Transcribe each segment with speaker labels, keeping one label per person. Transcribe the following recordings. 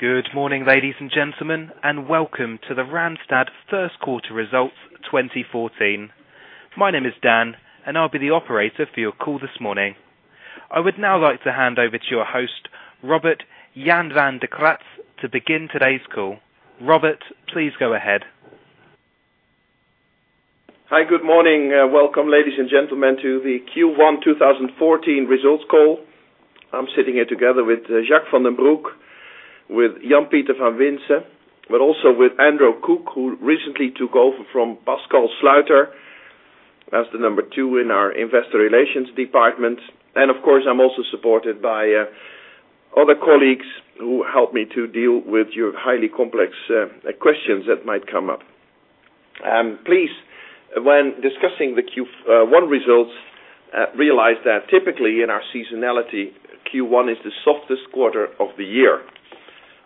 Speaker 1: Good morning, ladies and gentlemen, welcome to the Randstad first quarter results 2014. My name is Dan, I'll be the operator for your call this morning. I would now like to hand over to your host, Robert-Jan van de Kraats, to begin today's call. Robert, please go ahead.
Speaker 2: Hi, good morning. Welcome, ladies and gentlemen, to the Q1 2014 results call. I'm sitting here together with Jacques van den Broek, with Jan-Pieter van Winsen, but also with Andrew Cook, who recently took over from Pascal Sluiter as the number two in our investor relations department. Of course, I'm also supported by other colleagues, who help me to deal with your highly complex questions that might come up. Please, when discussing the Q1 results, realize that typically in our seasonality, Q1 is the softest quarter of the year.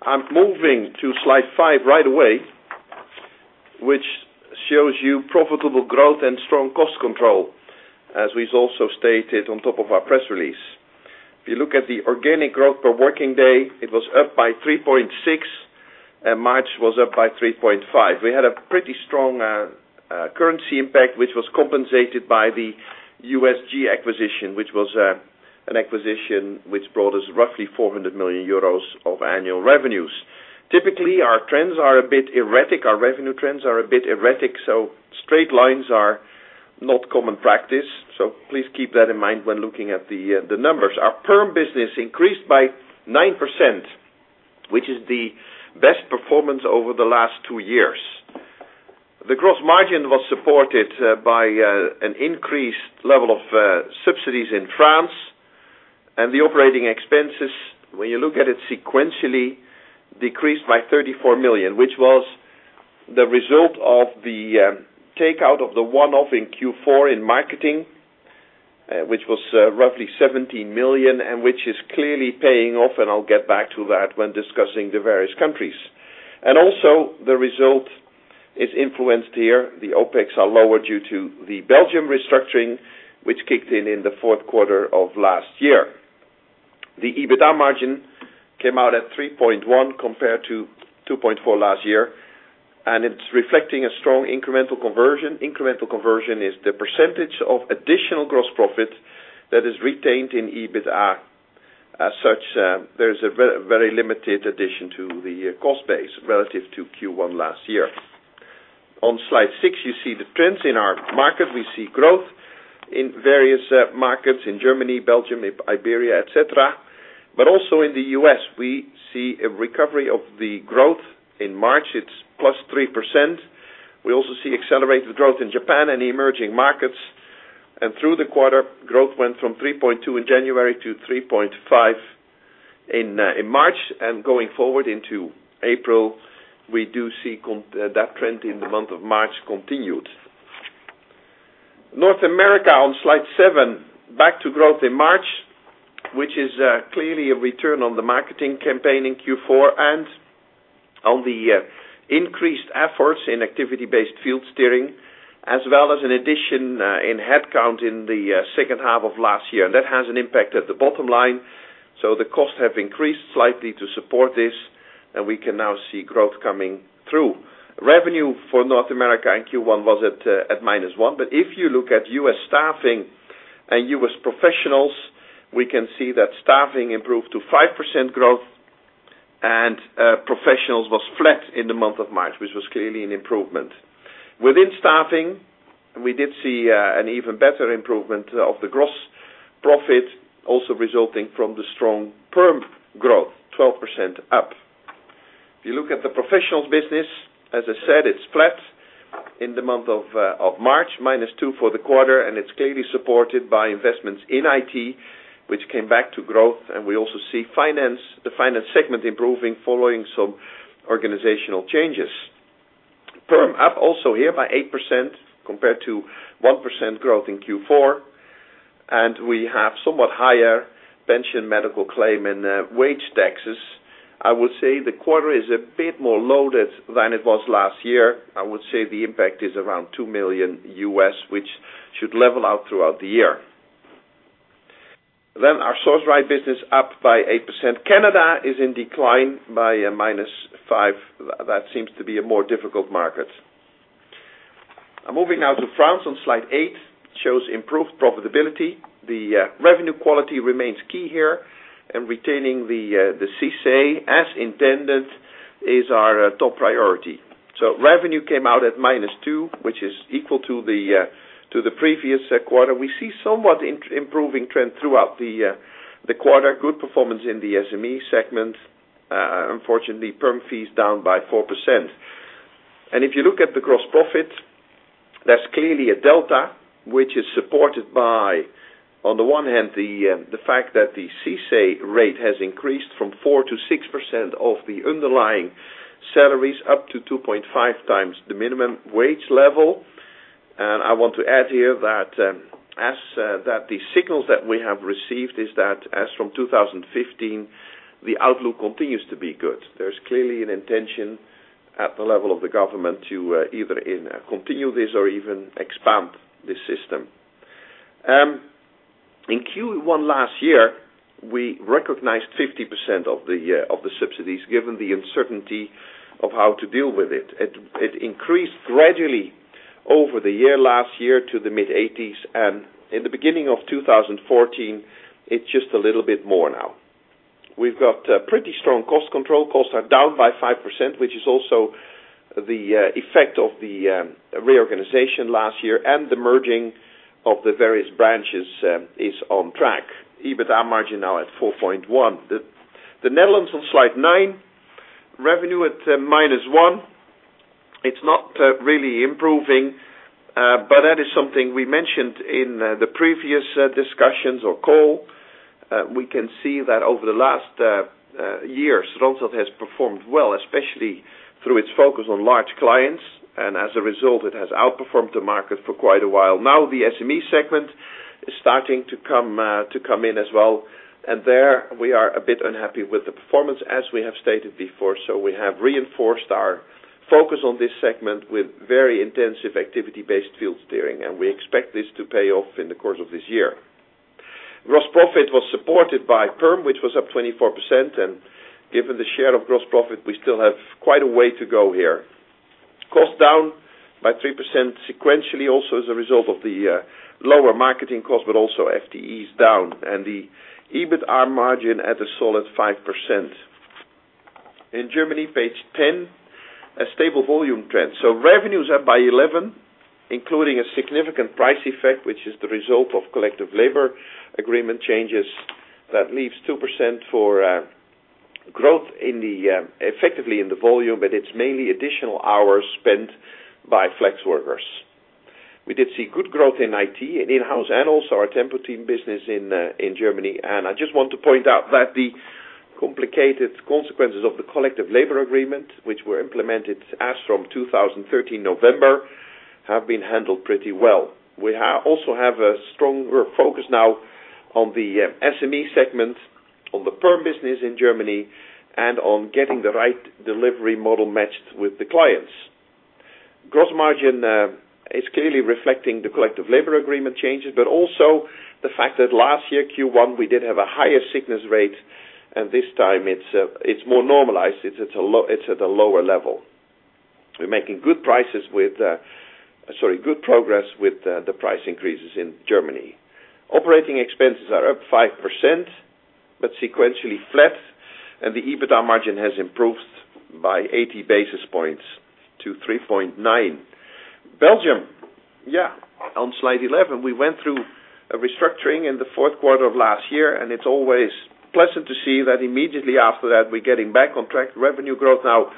Speaker 2: I'm moving to slide five right away, which shows you profitable growth and strong cost control, as we've also stated on top of our press release. If you look at the organic growth per working day, it was up by 3.6, and March was up by 3.5. We had a pretty strong currency impact, which was compensated by the USG acquisition, which was an acquisition which brought us roughly 400 million euros of annual revenues. Typically, our revenue trends are a bit erratic, so straight lines are not common practice. Please keep that in mind when looking at the numbers. Our perm business increased by 9%, which is the best performance over the last two years. The gross margin was supported by an increased level of subsidies in France. The operating expenses, when you look at it sequentially, decreased by 34 million, which was the result of the take out of the one-off in Q4 in marketing, which was roughly 17 million and which is clearly paying off, and I'll get back to that when discussing the various countries. Also the result is influenced here. The OPEX are lower due to the Belgium restructuring, which kicked in in the fourth quarter of last year. The EBITDA margin came out at 3.1% compared to 2.4% last year, and it's reflecting a strong incremental conversion. Incremental conversion is the % of additional gross profit that is retained in EBITDA. As such, there's a very limited addition to the cost base relative to Q1 last year. On slide six, you see the trends in our market. We see growth in various markets, in Germany, Belgium, Iberia, et cetera. Also in the U.S. we see a recovery of the growth. In March, it's +3%. We also see accelerated growth in Japan and the emerging markets. Through the quarter, growth went from 3.2% in January to 3.5% in March, and going forward into April, we do see that trend in the month of March continued. North America on slide seven, back to growth in March, which is clearly a return on the marketing campaign in Q4 and on the increased efforts in activity-based field steering, as well as an addition in headcount in the second half of last year. That has an impact at the bottom line, so the costs have increased slightly to support this, and we can now see growth coming through. Revenue for North America in Q1 was at -1. But if you look at US staffing and US professionals, we can see that staffing improved to 5% growth and professionals was flat in the month of March, which was clearly an improvement. Within staffing, we did see an even better improvement of the gross profit, also resulting from the strong perm growth, 12% up. If you look at the professionals business, as I said, it's flat in the month of March, -2 for the quarter, and it's clearly supported by investments in IT, which came back to growth. We also see the finance segment improving following some organizational changes. Perm up also here by 8% compared to 1% growth in Q4, and we have somewhat higher pension medical claim in wage taxes. I would say the quarter is a bit more loaded than it was last year. I would say the impact is $2 million, which should level out throughout the year. Our Sourceright business up by 8%. Canada is in decline by -5. That seems to be a more difficult market. Moving now to France on slide eight, shows improved profitability. The revenue quality remains key here and retaining the CICE, as intended, is our top priority. Revenue came out at -2, which is equal to the previous quarter. We see somewhat improving trend throughout the quarter. Good performance in the SME segment. Unfortunately, perm fees down by 4%. If you look at the gross profit, there's clearly a delta which is supported by, on the one hand, the fact that the CICE rate has increased from 4% to 6% of the underlying salaries up to 2.5 times the minimum wage level. I want to add here that the signals that we have received is that as from 2015, the outlook continues to be good. There's clearly an intention at the level of the government to either continue this or even expand this system. In Q1 last year, we recognized 50% of the subsidies, given the uncertainty of how to deal with it. It increased gradually over the year, last year to the mid-80s. In the beginning of 2014, it's just a little bit more now. We've got pretty strong cost control. Costs are down by 5%, which is also the effect of the reorganization last year. The merging of the various branches is on track. EBITDA margin now at 4.1%. The Netherlands on slide nine, revenue at -1. It's not really improving, but that is something we mentioned in the previous discussions or call. We can see that over the last years, Randstad has performed well, especially through its focus on large clients, and as a result, it has outperformed the market for quite a while. Now the SME segment is starting to come in as well, and there we are a bit unhappy with the performance as we have stated before. We have reinforced our focus on this segment with very intensive activity-based field steering, and we expect this to pay off in the course of this year. Gross profit was supported by perm, which was up 24%, and given the share of Gross profit, we still have quite a way to go here. Cost down by 3% sequentially, also as a result of the lower marketing cost, but also FTE is down and the EBITDA margin at a solid 5%. In Germany, page 10, a stable volume trend. Revenues up by 11%, including a significant price effect, which is the result of collective labor agreement changes. That leaves 2% for growth effectively in the volume, but it is mainly additional hours spent by flex workers. We did see good growth in IT, in Inhouse, and also our Tempo-Team business in Germany. I just want to point out that the complicated consequences of the collective labor agreement, which were implemented as from November 2013, have been handled pretty well. We also have a stronger focus now on the SME segment, on the perm business in Germany, and on getting the right delivery model matched with the clients. Gross margin is clearly reflecting the collective labor agreement changes, but also the fact that last year, Q1, we did have a higher sickness rate, and this time it is more normalized. It is at a lower level. We are making good progress with the price increases in Germany. Operating expenses are up 5%, but sequentially flat, and the EBITDA margin has improved by 80 basis points to 3.9%. Belgium. On slide 11, we went through a restructuring in the fourth quarter of last year, and it is always pleasant to see that immediately after that, we are getting back on track. Revenue growth now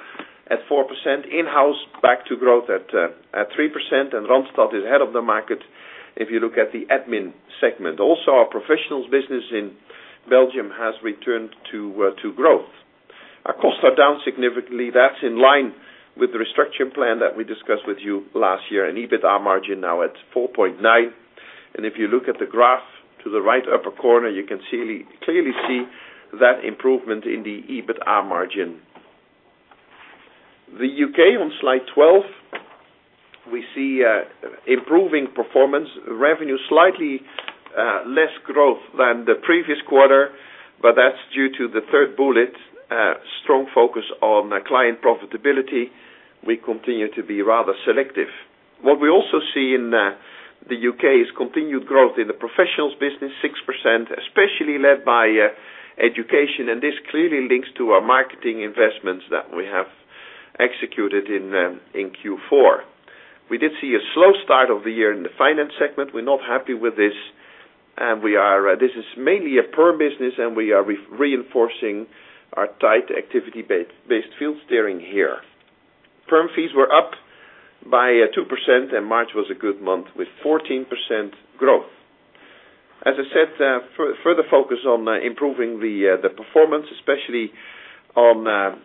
Speaker 2: at 4%, Inhouse back to growth at 3%, and Randstad is ahead of the market if you look at the admin segment. Also, our professionals business in Belgium has returned to growth. Our costs are down significantly. That is in line with the restructure plan that we discussed with you last year, and EBITDA margin now at 4.9%. And if you look at the graph to the right upper corner, you can clearly see that improvement in the EBITDA margin. The U.K. on slide 12, we see improving performance. Revenue, slightly less growth than the previous quarter, but that is due to the third bullet, strong focus on client profitability. We continue to be rather selective. What we also see in the U.K. is continued growth in the professionals business, 6%, especially led by education, and this clearly links to our marketing investments that we have executed in Q4. We did see a slow start of the year in the finance segment. We are not happy with this. This is mainly a perm business, and we are reinforcing our tight activity-based field steering here. Perm fees were up by 2%, and March was a good month with 14% growth. As I said, further focus on improving the performance, especially on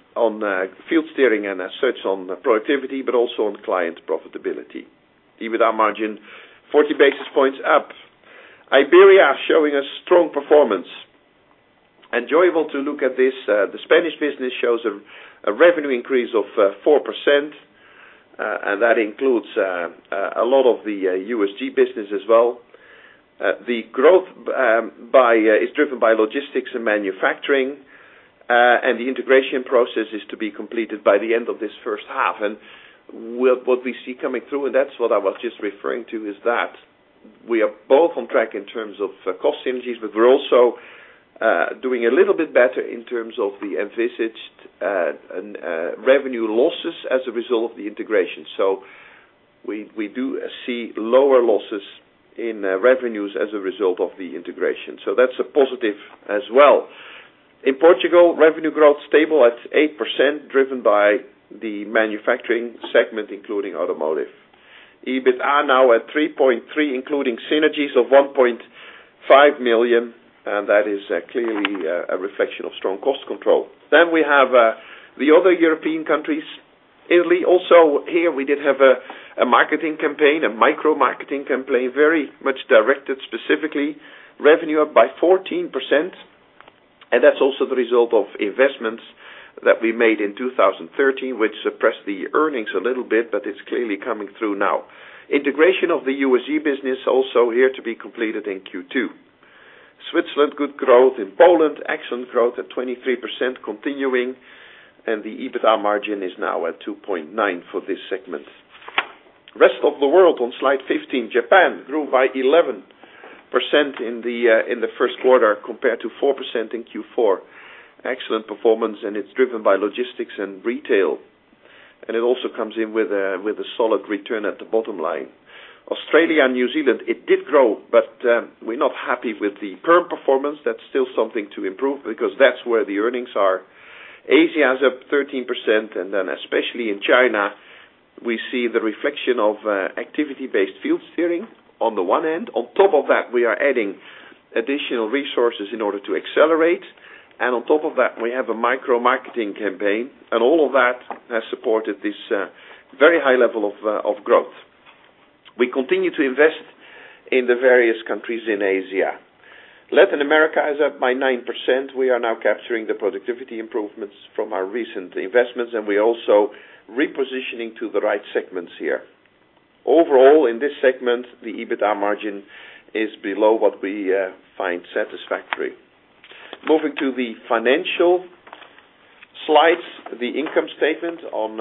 Speaker 2: field steering and such on productivity, but also on client profitability. EBITDA margin, 40 basis points up. Iberia showing a strong performance. Enjoyable to look at this. The Spanish business shows a revenue increase of 4%, and that includes a lot of the USG business as well. The growth is driven by logistics and manufacturing, the integration process is to be completed by the end of this first half. What we see coming through, and that's what I was just referring to, is that we are both on track in terms of cost synergies, we're also doing a little bit better in terms of the envisaged revenue losses as a result of the integration. We do see lower losses in revenues as a result of the integration. That's a positive as well. In Portugal, revenue growth stable at 8%, driven by the manufacturing segment, including automotive. EBITDA now at 3.3 million, including synergies of 1.5 million, and that is clearly a reflection of strong cost control. We have the other European countries. Italy, also here we did have a marketing campaign, a micro-marketing campaign, very much directed specifically. Revenue up by 14%. That's also the result of investments that we made in 2013, which suppressed the earnings a little bit, it's clearly coming through now. Integration of the USG business also here to be completed in Q2. Switzerland, good growth. In Poland, excellent growth at 23% continuing, and the EBITDA margin is now at 2.9% for this segment. Rest of the world on slide 15. Japan grew by 11% in the first quarter compared to 4% in Q4. Excellent performance, it's driven by logistics and retail. It also comes in with a solid return at the bottom line. Australia and New Zealand, it did grow, but we're not happy with the perm performance. That's still something to improve because that's where the earnings are. Asia is up 13%, and then especially in China, we see the reflection of activity-based field steering on the one end. On top of that, we are adding additional resources in order to accelerate. On top of that, we have a micro-marketing campaign. All of that has supported this very high level of growth. We continue to invest in the various countries in Asia. Latin America is up by 9%. We are now capturing the productivity improvements from our recent investments, we're also repositioning to the right segments here. Overall, in this segment, the EBITDA margin is below what we find satisfactory. Moving to the financial slides, the income statement on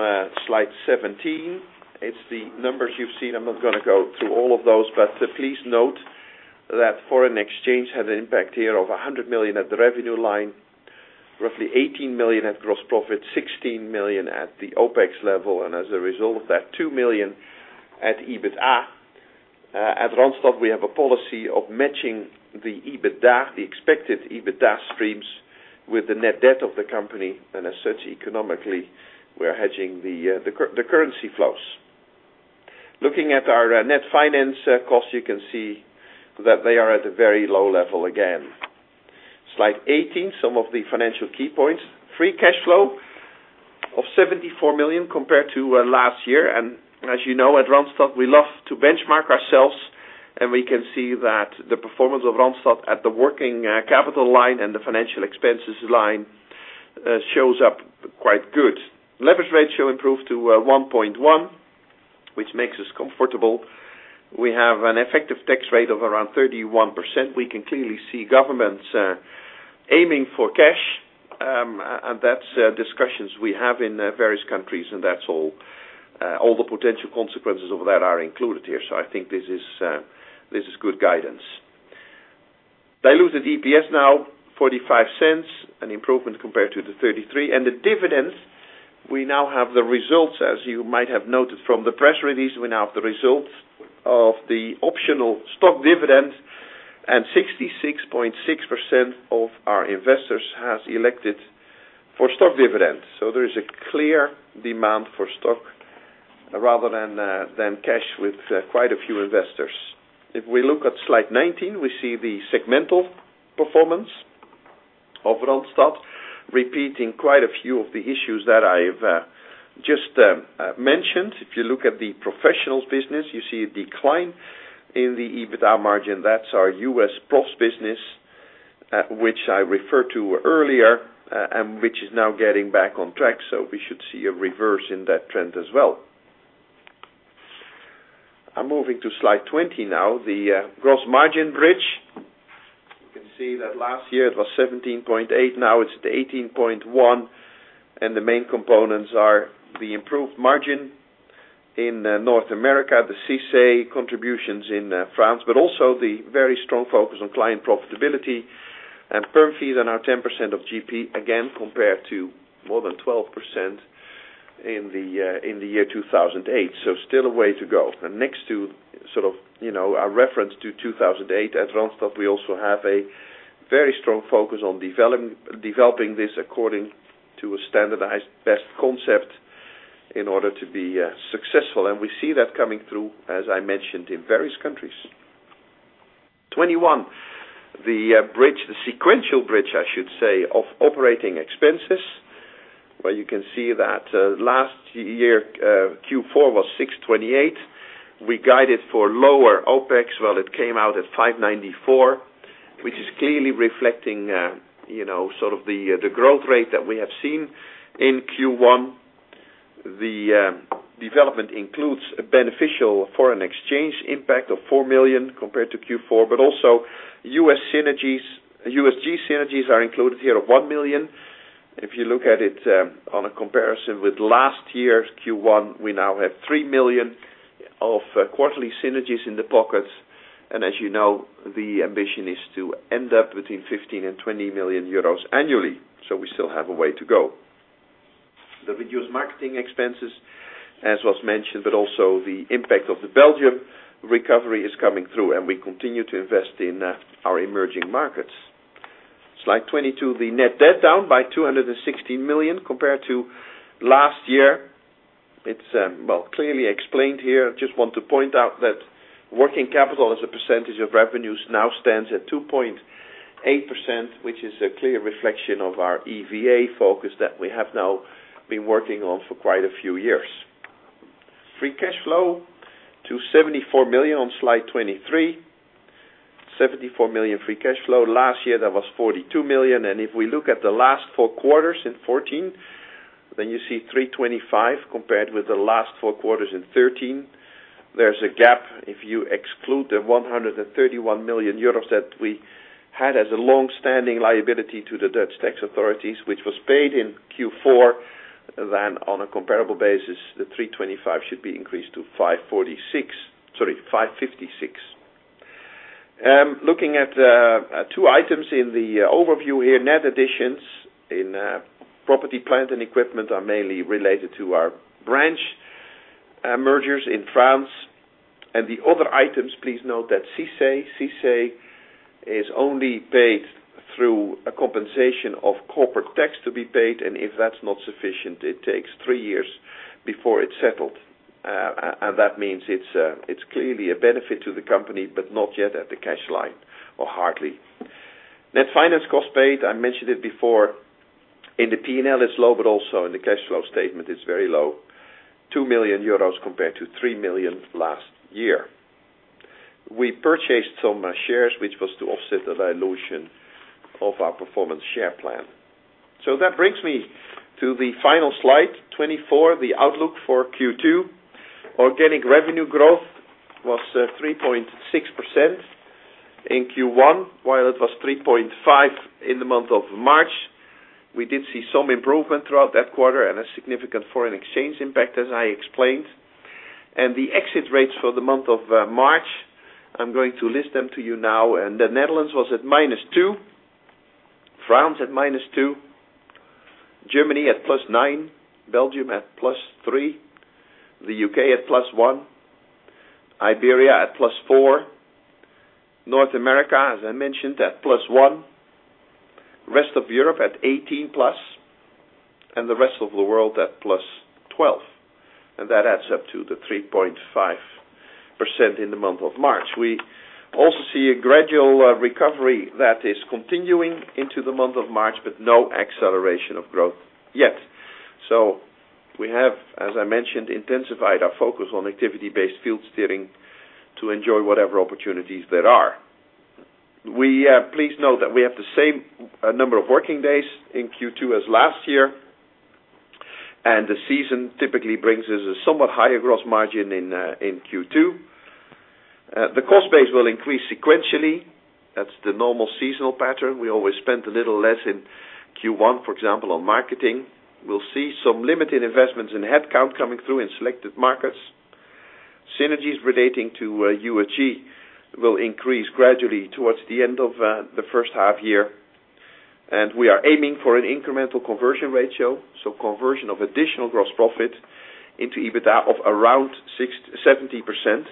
Speaker 2: slide 17. It's the numbers you've seen. I'm not going to go through all of those, please note that foreign exchange had an impact here of 100 million at the revenue line, roughly 18 million at gross profit, 16 million at the OPEX level, and as a result of that, 2 million at EBITDA. At Randstad, we have a policy of matching the EBITDA, the expected EBITDA streams, with the net debt of the company, as such, economically, we are hedging the currency flows. Looking at our net finance costs, you can see that they are at a very low level again. Slide 18, some of the financial key points. Free cash flow of 74 million compared to last year. As you know, at Randstad, we love to benchmark ourselves, we can see that the performance of Randstad at the working capital line and the financial expenses line shows up quite good. Leverage ratio improved to 1.1, which makes us comfortable. We have an effective tax rate of around 31%. We can clearly see governments aiming for cash, that's discussions we have in various countries, and that's all the potential consequences of that are included here. I think this is good guidance. Diluted EPS now 0.45, an improvement compared to EUR 0.33. The dividend, we now have the results, as you might have noted from the press release, we now have the results of the optional stock dividend, and 66.6% of our investors has elected for stock dividend. There is a clear demand for stock rather than cash with quite a few investors. If we look at slide 19, we see the segmental performance of Randstad, repeating quite a few of the issues that I've just mentioned. If you look at the professionals business, you see a decline in the EBITDA margin. That's our U.S. Prof business, which I referred to earlier, and which is now getting back on track. We should see a reverse in that trend as well. I'm moving to slide 20 now, the gross margin bridge. You can see that last year it was 17.8%, now it's at 18.1%. The main components are the improved margin in North America, the CICE contributions in France, but also the very strong focus on client profitability. Perm fees are now 10% of GP, again, compared to more than 12% in the year 2008. Still a way to go. Next to our reference to 2008, at Randstad, we also have a very strong focus on developing this according to a standardized best concept in order to be successful. We see that coming through, as I mentioned, in various countries. 21, the bridge, the sequential bridge, I should say, of operating expenses, where you can see that last year, Q4 was 628 million. We guided for lower OPEX. It came out at 594 million, which is clearly reflecting the growth rate that we have seen in Q1. The development includes a beneficial foreign exchange impact of 4 million compared to Q4, but also USG synergies. USG synergies are included here of 1 million. If you look at it on a comparison with last year's Q1, we now have 3 million of quarterly synergies in the pockets. As you know, the ambition is to end up between 15 million and 20 million euros annually. We still have a way to go. The reduced marketing expenses, as was mentioned, but also the impact of the Belgium recovery is coming through, and we continue to invest in our emerging markets. Slide 22, the net debt down by 260 million compared to last year. It's clearly explained here. Just want to point out that working capital as a percentage of revenues now stands at 2.8%, which is a clear reflection of our EVA focus that we have now been working on for quite a few years. Free cash flow to 74 million on slide 23. 74 million free cash flow. Last year, that was 42 million. If we look at the last four quarters in 2014, then you see 325 million compared with the last four quarters in 2013. There's a gap if you exclude the 131 million euros that we had as a long-standing liability to the Dutch tax authorities, which was paid in Q4. Then on a comparable basis, the 325 million should be increased to 556 million. Looking at two items in the overview here, net additions in property, plant, and equipment are mainly related to our branch mergers in France and the other items. Please note that CICE is only paid through a compensation of corporate tax to be paid, and if that is not sufficient, it takes three years before it is settled. That means it is clearly a benefit to the company, but not yet at the cash line or hardly. Net finance cost paid, I mentioned it before, in the P&L it is low, but also in the cash flow statement it is very low. 2 million euros compared to 3 million last year. We purchased some shares, which was to offset the dilution of our performance share plan. That brings me to the final slide, 24, the outlook for Q2. Organic revenue growth was 3.6% in Q1, while it was 3.5% in the month of March. We did see some improvement throughout that quarter and a significant foreign exchange impact, as I explained. The exit rates for the month of March, I am going to list them to you now. The Netherlands was at -2%, France at -2%, Germany at +9%, Belgium at +3%, the U.K. at +1%, Iberia at +4%, North America, as I mentioned, at +1%, rest of Europe at +18%, and the rest of the world at +12%. That adds up to the 3.5% in the month of March. We also see a gradual recovery that is continuing into the month of March, but no acceleration of growth yet. We have, as I mentioned, intensified our focus on activity-based field steering to enjoy whatever opportunities there are. Please note that we have the same number of working days in Q2 as last year, and the season typically brings us a somewhat higher gross margin in Q2. The cost base will increase sequentially. That is the normal seasonal pattern. We always spend a little less in Q1, for example, on marketing. We will see some limited investments in headcount coming through in selected markets. Synergies relating to USG will increase gradually towards the end of the first half-year. We are aiming for an incremental conversion ratio, so conversion of additional gross profit into EBITDA of around 70%.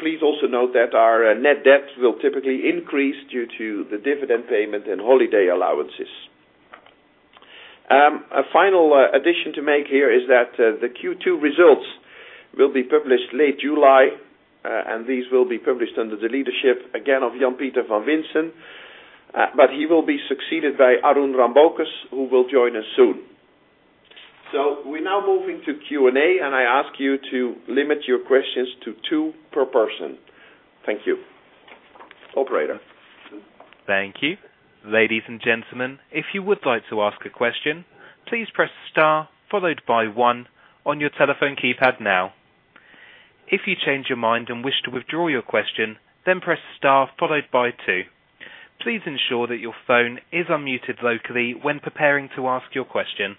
Speaker 2: Please also note that our net debt will typically increase due to the dividend payment and holiday allowances. A final addition to make here is that the Q2 results will be published late July, and these will be published under the leadership, again, of Jan-Pieter van Winsen. He will be succeeded by Arun Rambocus, who will join us soon. We are now moving to Q&A, and I ask you to limit your questions to two per person. Thank you. Operator?
Speaker 1: Thank you. Ladies and gentlemen, if you would like to ask a question, please press star followed by one on your telephone keypad now. If you change your mind and wish to withdraw your question, then press star followed by two. Please ensure that your phone is unmuted locally when preparing to ask your question.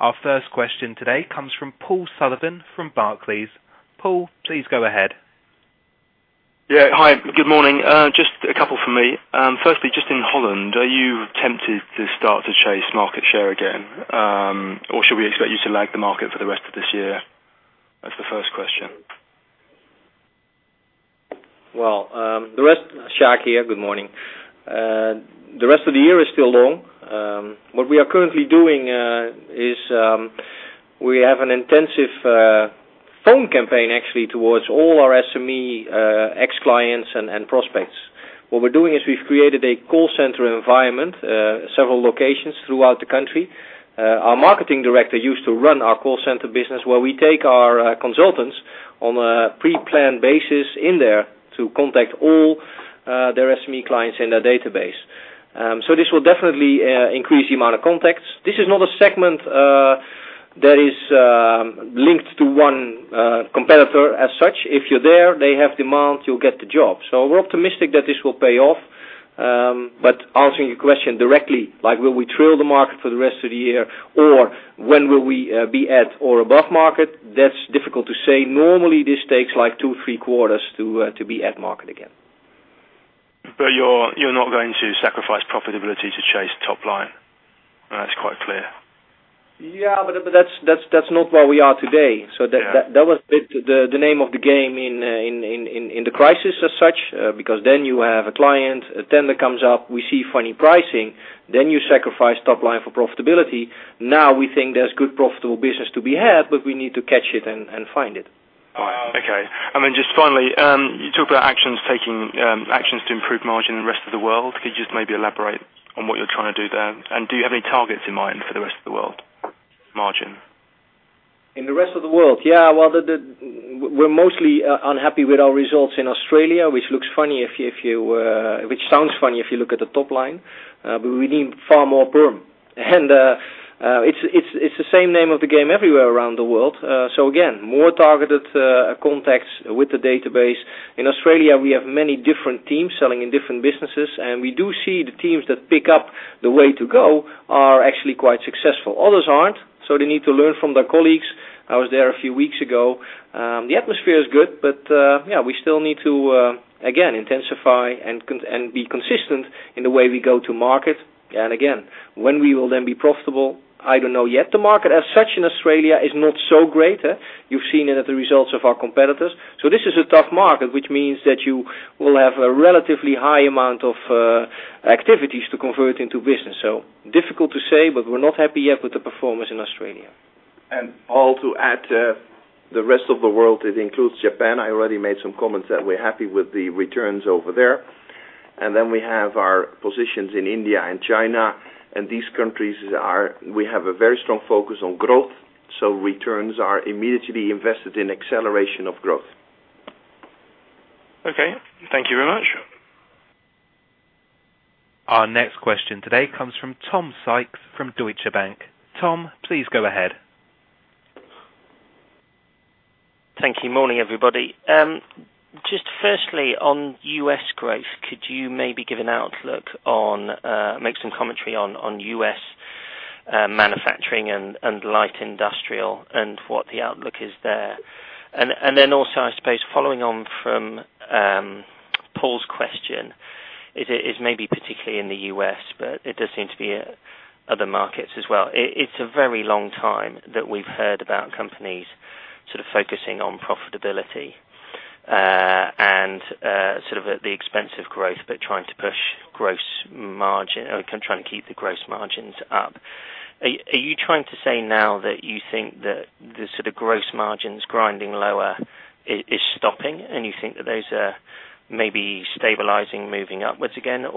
Speaker 1: Our first question today comes from Paul Sullivan from Barclays. Paul, please go ahead.
Speaker 3: Yeah. Hi, good morning. Just a couple from me. Firstly, just in Holland, are you tempted to start to chase market share again? Or should we expect you to lag the market for the rest of this year? That's the first question.
Speaker 4: Well, Sjaak here. Good morning. The rest of the year is still long. What we are currently doing is we have an intensive phone campaign, actually, towards all our SME ex-clients and prospects. What we're doing is we've created a call center environment, several locations throughout the country. Our marketing director used to run our call center business where we take our consultants on a pre-planned basis in there to contact all their SME clients in their database. This will definitely increase the amount of contacts. This is not a segment that is linked to one competitor as such. If you're there, they have demand, you'll get the job. We're optimistic that this will pay off. Answering your question directly, will we trail the market for the rest of the year, or when will we be at or above market? That's difficult to say. Normally, this takes two, three quarters to be at market again.
Speaker 3: You're not going to sacrifice profitability to chase top line. That's quite clear.
Speaker 4: Yeah. That's not where we are today.
Speaker 3: Yeah.
Speaker 4: That was the name of the game in the crisis as such, because then you have a client, a tender comes up, we see funny pricing, then you sacrifice top line for profitability. Now we think there's good profitable business to be had, but we need to catch it and find it.
Speaker 3: Okay. Just finally, you talk about taking actions to improve margin in the rest of the world. Could you just maybe elaborate on what you're trying to do there? Do you have any targets in mind for the rest of the world margin?
Speaker 4: In the rest of the world? Yeah. Well, we're mostly unhappy with our results in Australia, which sounds funny if you look at the top line. We need far more perm. It's the same name of the game everywhere around the world. Again, more targeted contacts with the database. In Australia, we have many different teams selling in different businesses, and we do see the teams that pick up the way to go are actually quite successful. Others aren't, so they need to learn from their colleagues. I was there a few weeks ago. The atmosphere is good, but, yeah, we still need to, again, intensify and be consistent in the way we go to market. Again, when we will then be profitable, I don't know yet. The market as such in Australia is not so great. You've seen it at the results of our competitors. This is a tough market, which means that you will have a relatively high amount of activities to convert into business. Difficult to say, but we're not happy yet with the performance in Australia.
Speaker 2: All to add, the rest of the world, it includes Japan. I already made some comments that we're happy with the returns over there. We have our positions in India and China, and these countries we have a very strong focus on growth, so returns are immediately invested in acceleration of growth.
Speaker 3: Okay. Thank you very much.
Speaker 1: Our next question today comes from Tom Sykes from Deutsche Bank. Tom, please go ahead.
Speaker 5: Thank you. Morning, everybody. Firstly, on U.S. growth, could you maybe make some commentary on U.S. manufacturing and light industrial and what the outlook is there? Also, I suppose following on from Paul's question is maybe particularly in the U.S., but it does seem to be other markets as well. It's a very long time that we've heard about companies sort of focusing on profitability, and sort of at the expense of growth, but trying to keep the gross margins up. Are you trying to say now that you think that the sort of gross margins grinding lower is stopping, you think that those are maybe stabilizing, moving upwards again? Is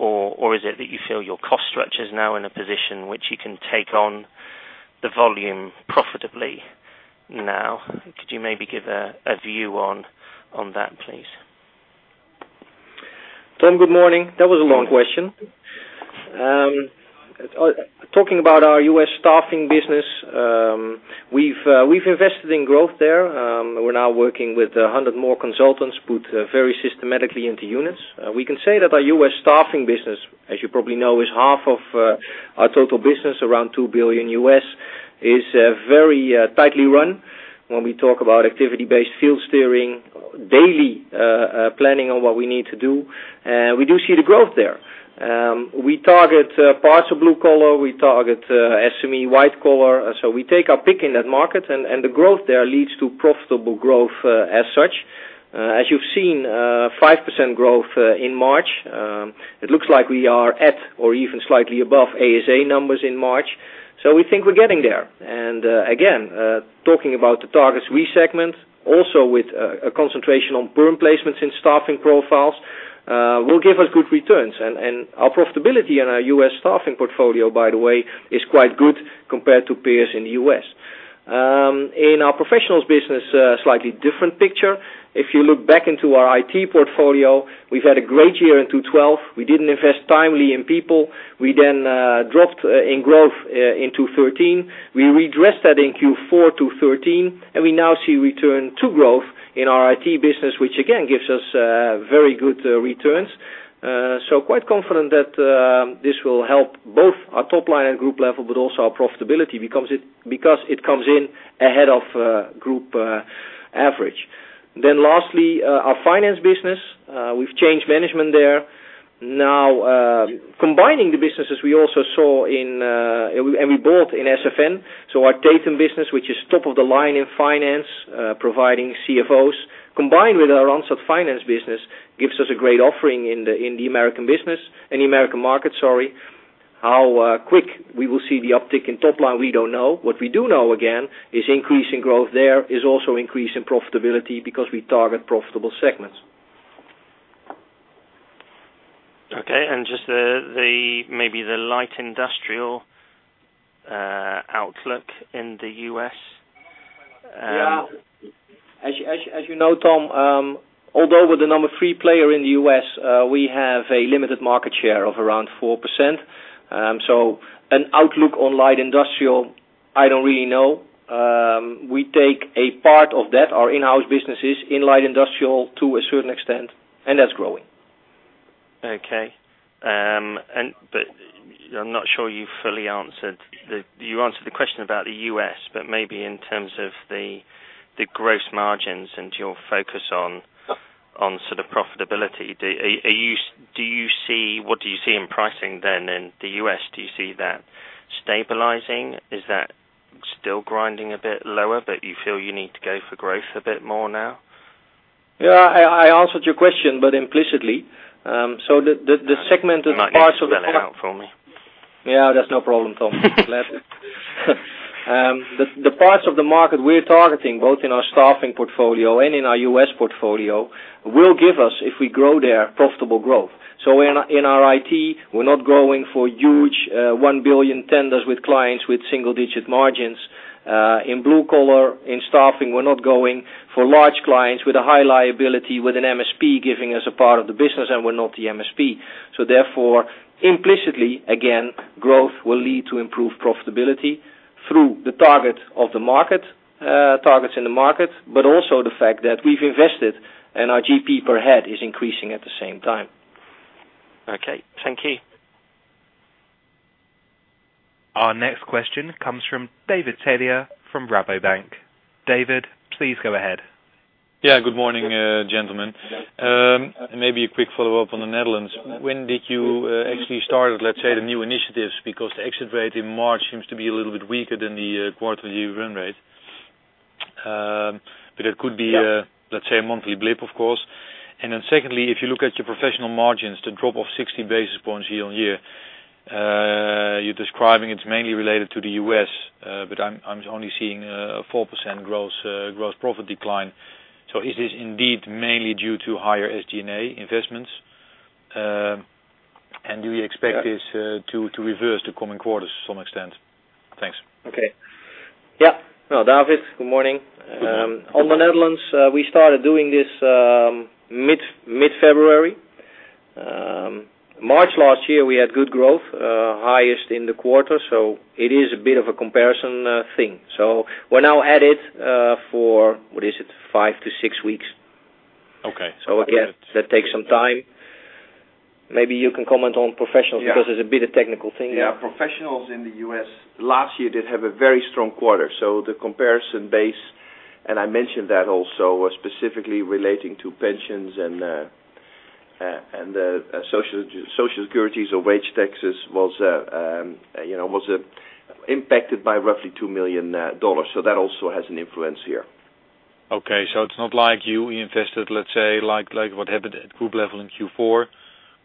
Speaker 5: it that you feel your cost structure is now in a position which you can take on the volume profitably now? Could you maybe give a view on that, please?
Speaker 4: Tom, good morning. That was a long question. Talking about our U.S. staffing business, we've invested in growth there. We're now working with 100 more consultants, put very systematically into units. We can say that our U.S. staffing business, as you probably know, is half of our total business, around $2 billion. Is very tightly run when we talk about activity-based field steering, daily planning on what we need to do. We do see the growth there. We target parts of blue collar. We target SME white collar. We take our pick in that market, and the growth there leads to profitable growth as such. As you've seen, 5% growth in March. It looks like we are at or even slightly above ASA numbers in March. We think we're getting there. Again, talking about the targets, we segment also with a concentration on perm placements in staffing profiles will give us good returns. Our profitability in our U.S. staffing portfolio, by the way, is quite good compared to peers in the U.S. In our professionals business, slightly different picture. If you look back into our IT portfolio, we've had a great year in 2012. We didn't invest timely in people. We dropped in growth in 2013. We redressed that in Q4 2013, we now see return to growth in our IT business, which again gives us very good returns. Quite confident that this will help both our top line at group level, but also our profitability, because it comes in ahead of group average. Lastly, our finance business. We've changed management there. Now, combining the businesses we also saw, we bought in SFN, so our Tatum business, which is top of the line in finance, providing CFOs, combined with our own finance business, gives us a great offering in the American market. How quick we will see the uptick in top line, we don't know. What we do know again, is increase in growth there is also increase in profitability because we target profitable segments.
Speaker 5: Okay, just maybe the light industrial outlook in the U.S.
Speaker 4: Yeah. As you know, Tom, although we're the number three player in the U.S., we have a limited market share of around 4%. An outlook on light industrial, I don't really know. We take a part of that, our Inhouse businesses in light industrial to a certain extent, and that's growing.
Speaker 5: Okay. I'm not sure you fully answered. You answered the question about the U.S., but maybe in terms of the gross margins and your focus on sort of profitability. What do you see in pricing then in the U.S.? Do you see that stabilizing? Is that still grinding a bit lower, but you feel you need to go for growth a bit more now?
Speaker 4: Yeah, I answered your question, but implicitly.
Speaker 2: You're not going to spell it out for me?
Speaker 4: That's no problem, Tom. The parts of the market we're targeting, both in our staffing portfolio and in our U.S. portfolio, will give us, if we grow there, profitable growth. In our IT, we're not going for huge 1 billion tenders with clients with single-digit margins. In blue collar, in staffing, we're not going for large clients with a high liability, with an MSP giving us a part of the business, and we're not the MSP. Therefore, implicitly, again, growth will lead to improved profitability through the targets in the market, but also the fact that we've invested and our GP per head is increasing at the same time.
Speaker 5: Okay. Thank you.
Speaker 1: Our next question comes from David Tailleur from Rabobank. David, please go ahead.
Speaker 6: Good morning, gentlemen. Maybe a quick follow-up on the Netherlands. When did you actually start, let's say, the new initiatives? The exit rate in March seems to be a little bit weaker than the quarter view run rate.
Speaker 4: Yeah
Speaker 6: let's say, a monthly blip, of course. Secondly, if you look at your professional margins, the drop of 60 basis points year-on-year, you're describing it's mainly related to the U.S., but I'm only seeing a 4% gross profit decline. Is this indeed mainly due to higher SG&A investments? Do you expect this to reverse to coming quarters to some extent? Thanks.
Speaker 4: Okay. Yeah. No, David, good morning.
Speaker 6: Good morning.
Speaker 4: On the Netherlands, we started doing this mid-February. March last year, we had good growth, highest in the quarter. It is a bit of a comparison thing. We're now at it for, what is it, five to six weeks.
Speaker 6: Okay.
Speaker 4: Again, that takes some time. Maybe you can comment on professionals.
Speaker 2: Yeah
Speaker 4: There's a bit of technical thing here.
Speaker 2: Yeah. Professionals in the U.S. last year did have a very strong quarter. The comparison base, and I mentioned that also, was specifically relating to pensions and social securities or wage taxes was impacted by roughly $2 million. That also has an influence here.
Speaker 6: Okay, it's not like you invested, let's say, like what happened at group level in Q4,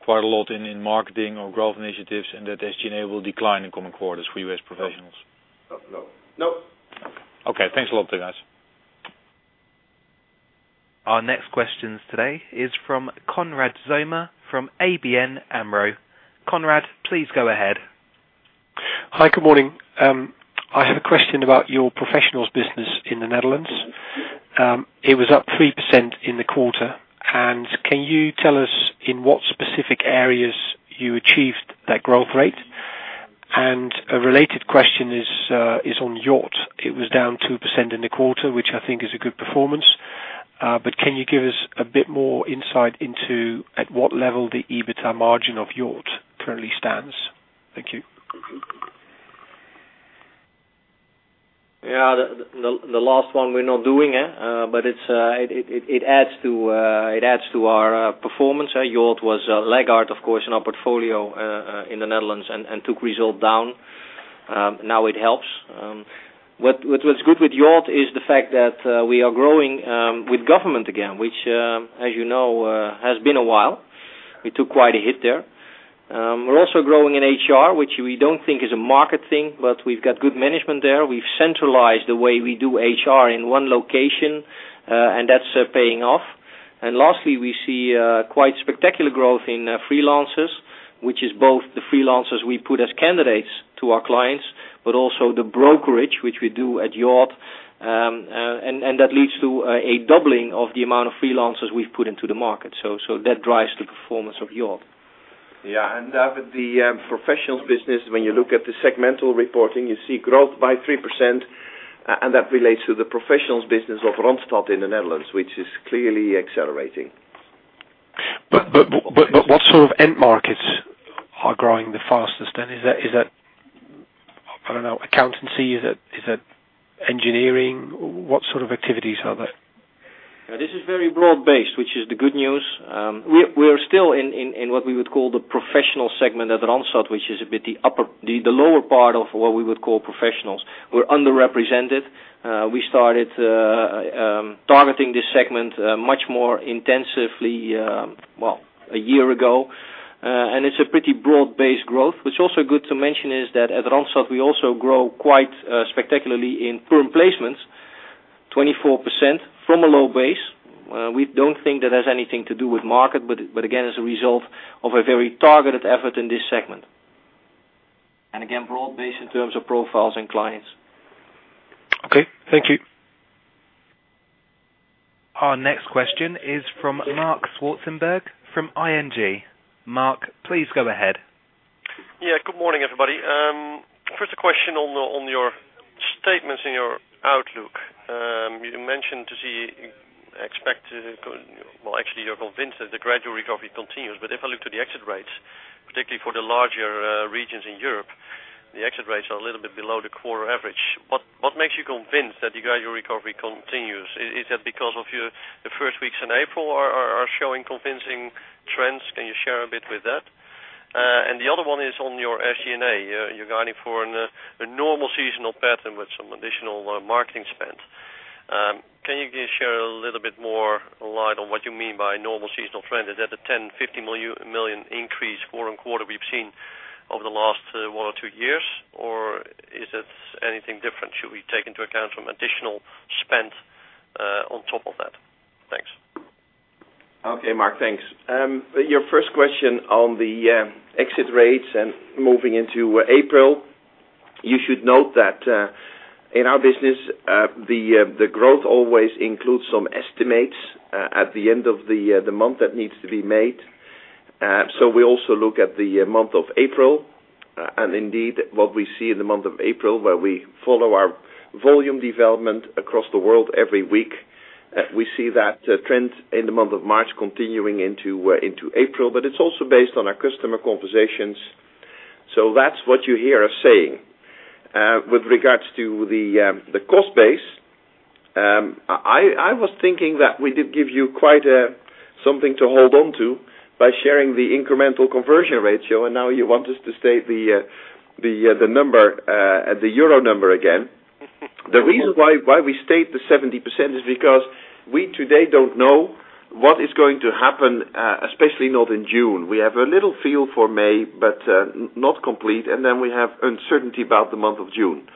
Speaker 6: quite a lot in marketing or growth initiatives, and that SG&A will decline in coming quarters for U.S. professionals.
Speaker 2: No.
Speaker 6: Okay. Thanks a lot to you guys.
Speaker 1: Our next question today is from Konrad Zomer, from ABN AMRO. Konrad, please go ahead.
Speaker 7: Hi. Good morning. I have a question about your professionals business in the Netherlands. It was up 3% in the quarter. Can you tell us in what specific areas you achieved that growth rate? A related question is on Yacht. It was down 2% in the quarter, which I think is a good performance. Can you give us a bit more insight into at what level the EBITDA margin of Yacht currently stands? Thank you.
Speaker 4: Yeah. The last one we're not doing. It adds to our performance. Yacht was a laggard, of course, in our portfolio in the Netherlands and took result down. Now it helps. What's good with Yacht is the fact that we are growing with government again, which, as you know, has been a while. We took quite a hit there. We're also growing in HR, which we don't think is a market thing, but we've got good management there. We've centralized the way we do HR in one location, and that's paying off. Lastly, we see quite spectacular growth in freelancers, which is both the freelancers we put as candidates to our clients, but also the brokerage, which we do at Yacht. That leads to a doubling of the amount of freelancers we've put into the market. That drives the performance of Yacht.
Speaker 2: Yeah. David, the professionals business, when you look at the segmental reporting, you see growth by 3%, that relates to the professionals business of Randstad in the Netherlands, which is clearly accelerating.
Speaker 7: What sort of end markets are growing the fastest then? Is that, I don't know, accountancy? Is it engineering? What sort of activities are they?
Speaker 4: This is very broad-based, which is the good news. We're still in what we would call the professional segment at Randstad, which is a bit the lower part of what we would call professionals. We're underrepresented. We started targeting this segment much more intensively a year ago. It's a pretty broad-based growth. What's also good to mention is that at Randstad, we also grow quite spectacularly in perm placements, 24% from a low base. We don't think that has anything to do with market, but again, as a result of a very targeted effort in this segment. Again, broad-based in terms of profiles and clients.
Speaker 7: Okay. Thank you.
Speaker 1: Our next question is from Marc Swartzenberg from ING. Mark, please go ahead.
Speaker 8: Yeah. Good morning, everybody. First question on your statements in your outlook. You mentioned to see expected Well, actually, you're convinced that the gradual recovery continues, but if I look to the exit rates, particularly for the larger regions in Europe, the exit rates are a little bit below the quarter average. What makes you convinced that the gradual recovery continues? Is that because of the first weeks in April are showing convincing trends? Can you share a bit with that? And the other one is on your SG&A. You're guiding for a normal seasonal pattern with some additional marketing spend. Can you share a little bit more light on what you mean by normal seasonal trend? Is that the 10 million, 15 million increase quarter-on-quarter we've seen over the last one or two years? Or is it anything different? Should we take into account some additional spend on top of that? Thanks.
Speaker 2: Okay, Marc. Thanks. Your first question on the exit rates and moving into April, you should note that in our business, the growth always includes some estimates at the end of the month that needs to be made. We also look at the month of April. Indeed, what we see in the month of April, where we follow our volume development across the world every week, we see that trend in the month of March continuing into April. It's also based on our customer conversations. That's what you hear us saying. With regards to the cost base, I was thinking that we did give you quite something to hold on to by sharing the incremental conversion ratio, and now you want us to state the EUR number again. The reason why we state the 70% is because we today don't know what is going to happen, especially not in June. We have a little feel for May, but not complete, and then we have uncertainty about the month of June.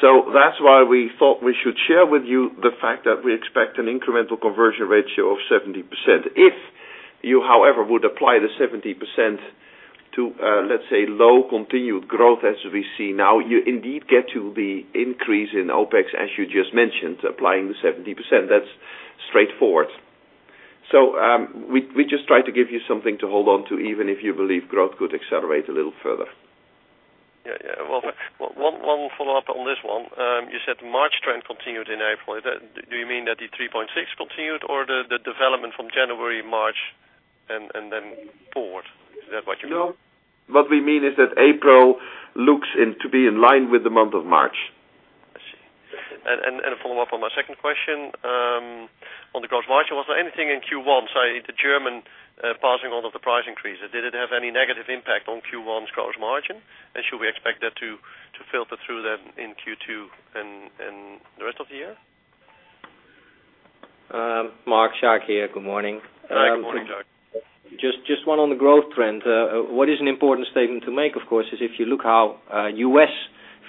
Speaker 2: That's why we thought we should share with you the fact that we expect an incremental conversion ratio of 70%. If you, however, would apply the 70% to, let's say, low continued growth as we see now, you indeed get to the increase in OPEX as you just mentioned, applying the 70%. That's straightforward. We just try to give you something to hold on to, even if you believe growth could accelerate a little further.
Speaker 8: Yeah. Well, one follow-up on this one. You said March trend continued in April. Do you mean that the 3.6 continued or the development from January, March, and then forward? Is that what you mean?
Speaker 2: No. What we mean is that April looks in to be in line with the month of March.
Speaker 8: I see. A follow-up on my second question. On the gross margin, was there anything in Q1, say, the German passing on of the price increases? Did it have any negative impact on Q1's gross margin? Should we expect that to filter through in Q2 and the rest of the year?
Speaker 4: Marc, Jacques here. Good morning.
Speaker 8: Hi. Good morning, Jacques.
Speaker 4: Just one on the growth trend. What is an important statement to make, of course, is if you look how U.S.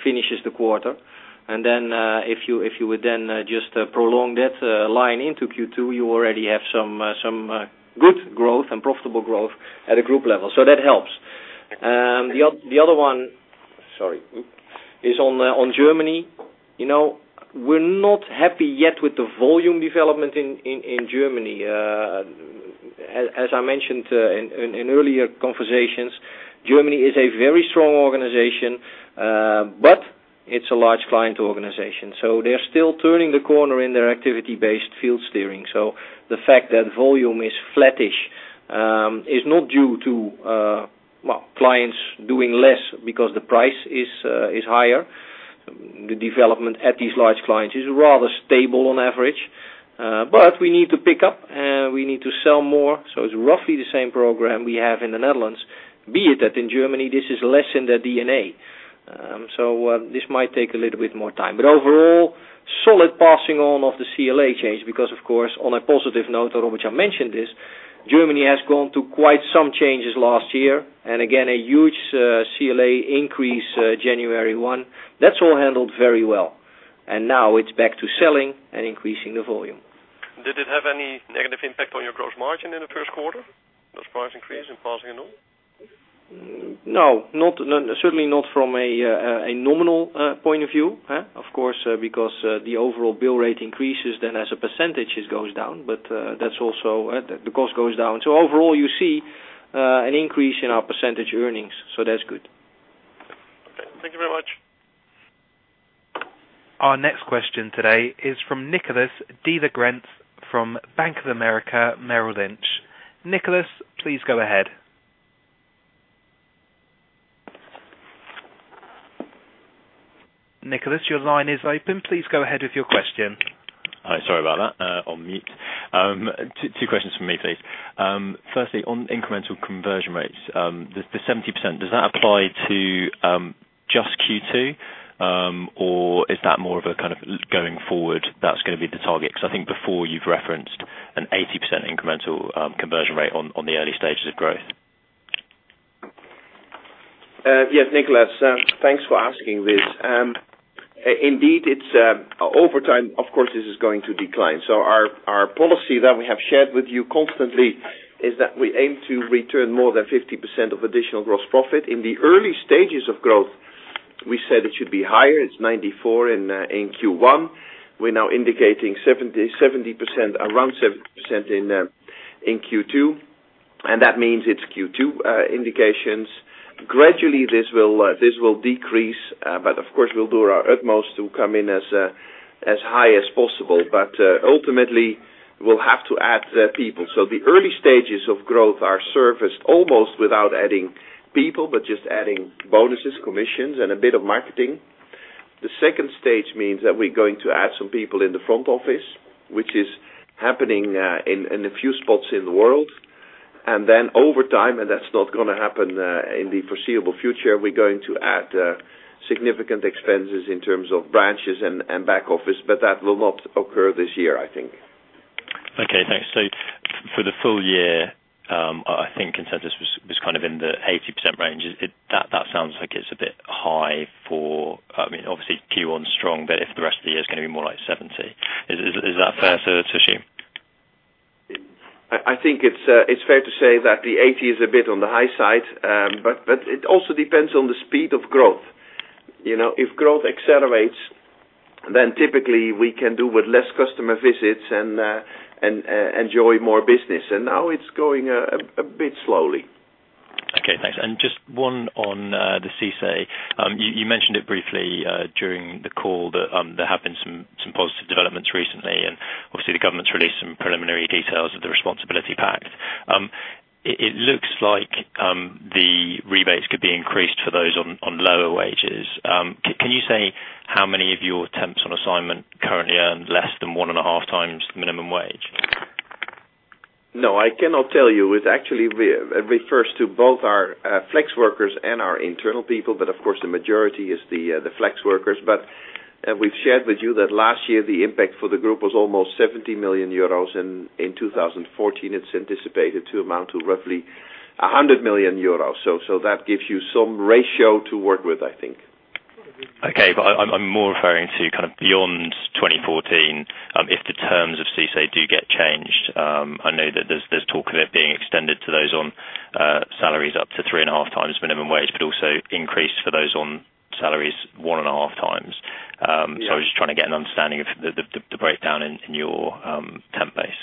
Speaker 4: finishes the quarter, if you would just prolong that line into Q2, you already have some good growth and profitable growth at a group level. That helps. The other one is on Germany. We're not happy yet with the volume development in Germany. As I mentioned in earlier conversations, Germany is a very strong organization, but it's a large client organization. They're still turning the corner in their activity-based field steering. The fact that volume is flattish is not due to clients doing less because the price is higher. The development at these large clients is rather stable on average. We need to pick up. We need to sell more. It's roughly the same program we have in the Netherlands. In Germany, this is less in their DNA. This might take a little bit more time. Overall, solid passing on of the CLA change because, of course, on a positive note, Robert-Jan mentioned this, Germany has gone through quite some changes last year. Again, a huge CLA increase January 1. That's all handled very well. Now it's back to selling and increasing the volume.
Speaker 8: Did it have any negative impact on your gross margin in the first quarter? Those price increase and passing it on?
Speaker 4: No. Certainly not from a nominal point of view. Of course, because the overall bill rate increases, then as a percentage, it goes down. The cost goes down. Overall, you see an increase in our percentage earnings. That's good.
Speaker 8: Okay. Thank you very much.
Speaker 1: Our next question today is from Nicholas Diepgenk from Bank of America Merrill Lynch. Nicholas, please go ahead. Nicholas, your line is open. Please go ahead with your question.
Speaker 9: Hi. Sorry about that. On mute. Two questions from me, please. Firstly, on incremental conversion rates. The 70%, does that apply to just Q2? Is that more of a kind of going forward, that's going to be the target? I think before you've referenced an 80% incremental conversion rate on the early stages of growth.
Speaker 2: Yes, Nicholas. Thanks for asking this. Indeed, over time, of course, this is going to decline. Our policy that we have shared with you constantly is that we aim to return more than 50% of additional gross profit. In the early stages of growth, we said it should be higher. It's 94% in Q1. We're now indicating around 70% in Q2, and that means it's Q2 indications. Gradually, this will decrease. Of course, we'll do our utmost to come in as high as possible. Ultimately, we'll have to add people. The early stages of growth are serviced almost without adding people, but just adding bonuses, commissions, and a bit of marketing. The stage 2 means that we're going to add some people in the front office, which is happening in a few spots in the world. Over time, and that's not going to happen in the foreseeable future, we're going to add significant expenses in terms of branches and back office, that will not occur this year, I think.
Speaker 9: Okay, thanks. For the full year, I think consensus was kind of in the 80% range. That sounds like it's a bit high. Obviously, Q1 is strong, but if the rest of the year is going to be more like 70%. Is that fair to assume?
Speaker 2: I think it's fair to say that the 80% is a bit on the high side. It also depends on the speed of growth. If growth accelerates, then typically we can do with less customer visits and enjoy more business. Now it's going a bit slowly.
Speaker 9: Okay, thanks. Just one on the CICE. You mentioned it briefly during the call that there have been some positive developments recently, obviously the government's released some preliminary details of the Responsibility Pact. It looks like the rebates could be increased for those on lower wages. Can you say how many of your temps on assignment currently earn less than one and a half times minimum wage?
Speaker 2: No, I cannot tell you. It actually refers to both our flex workers and our internal people, but of course, the majority is the flex workers. We've shared with you that last year, the impact for the group was almost 70 million euros, and in 2014, it's anticipated to amount to roughly 100 million euros. That gives you some ratio to work with, I think.
Speaker 9: Okay. I'm more referring to kind of beyond 2014, if the terms of CICE do get changed. I know that there's talk of it being extended to those on salaries up to three and a half times minimum wage, also increased for those on salaries one and a half times.
Speaker 2: Yeah.
Speaker 9: I was just trying to get an understanding of the breakdown in your temp base.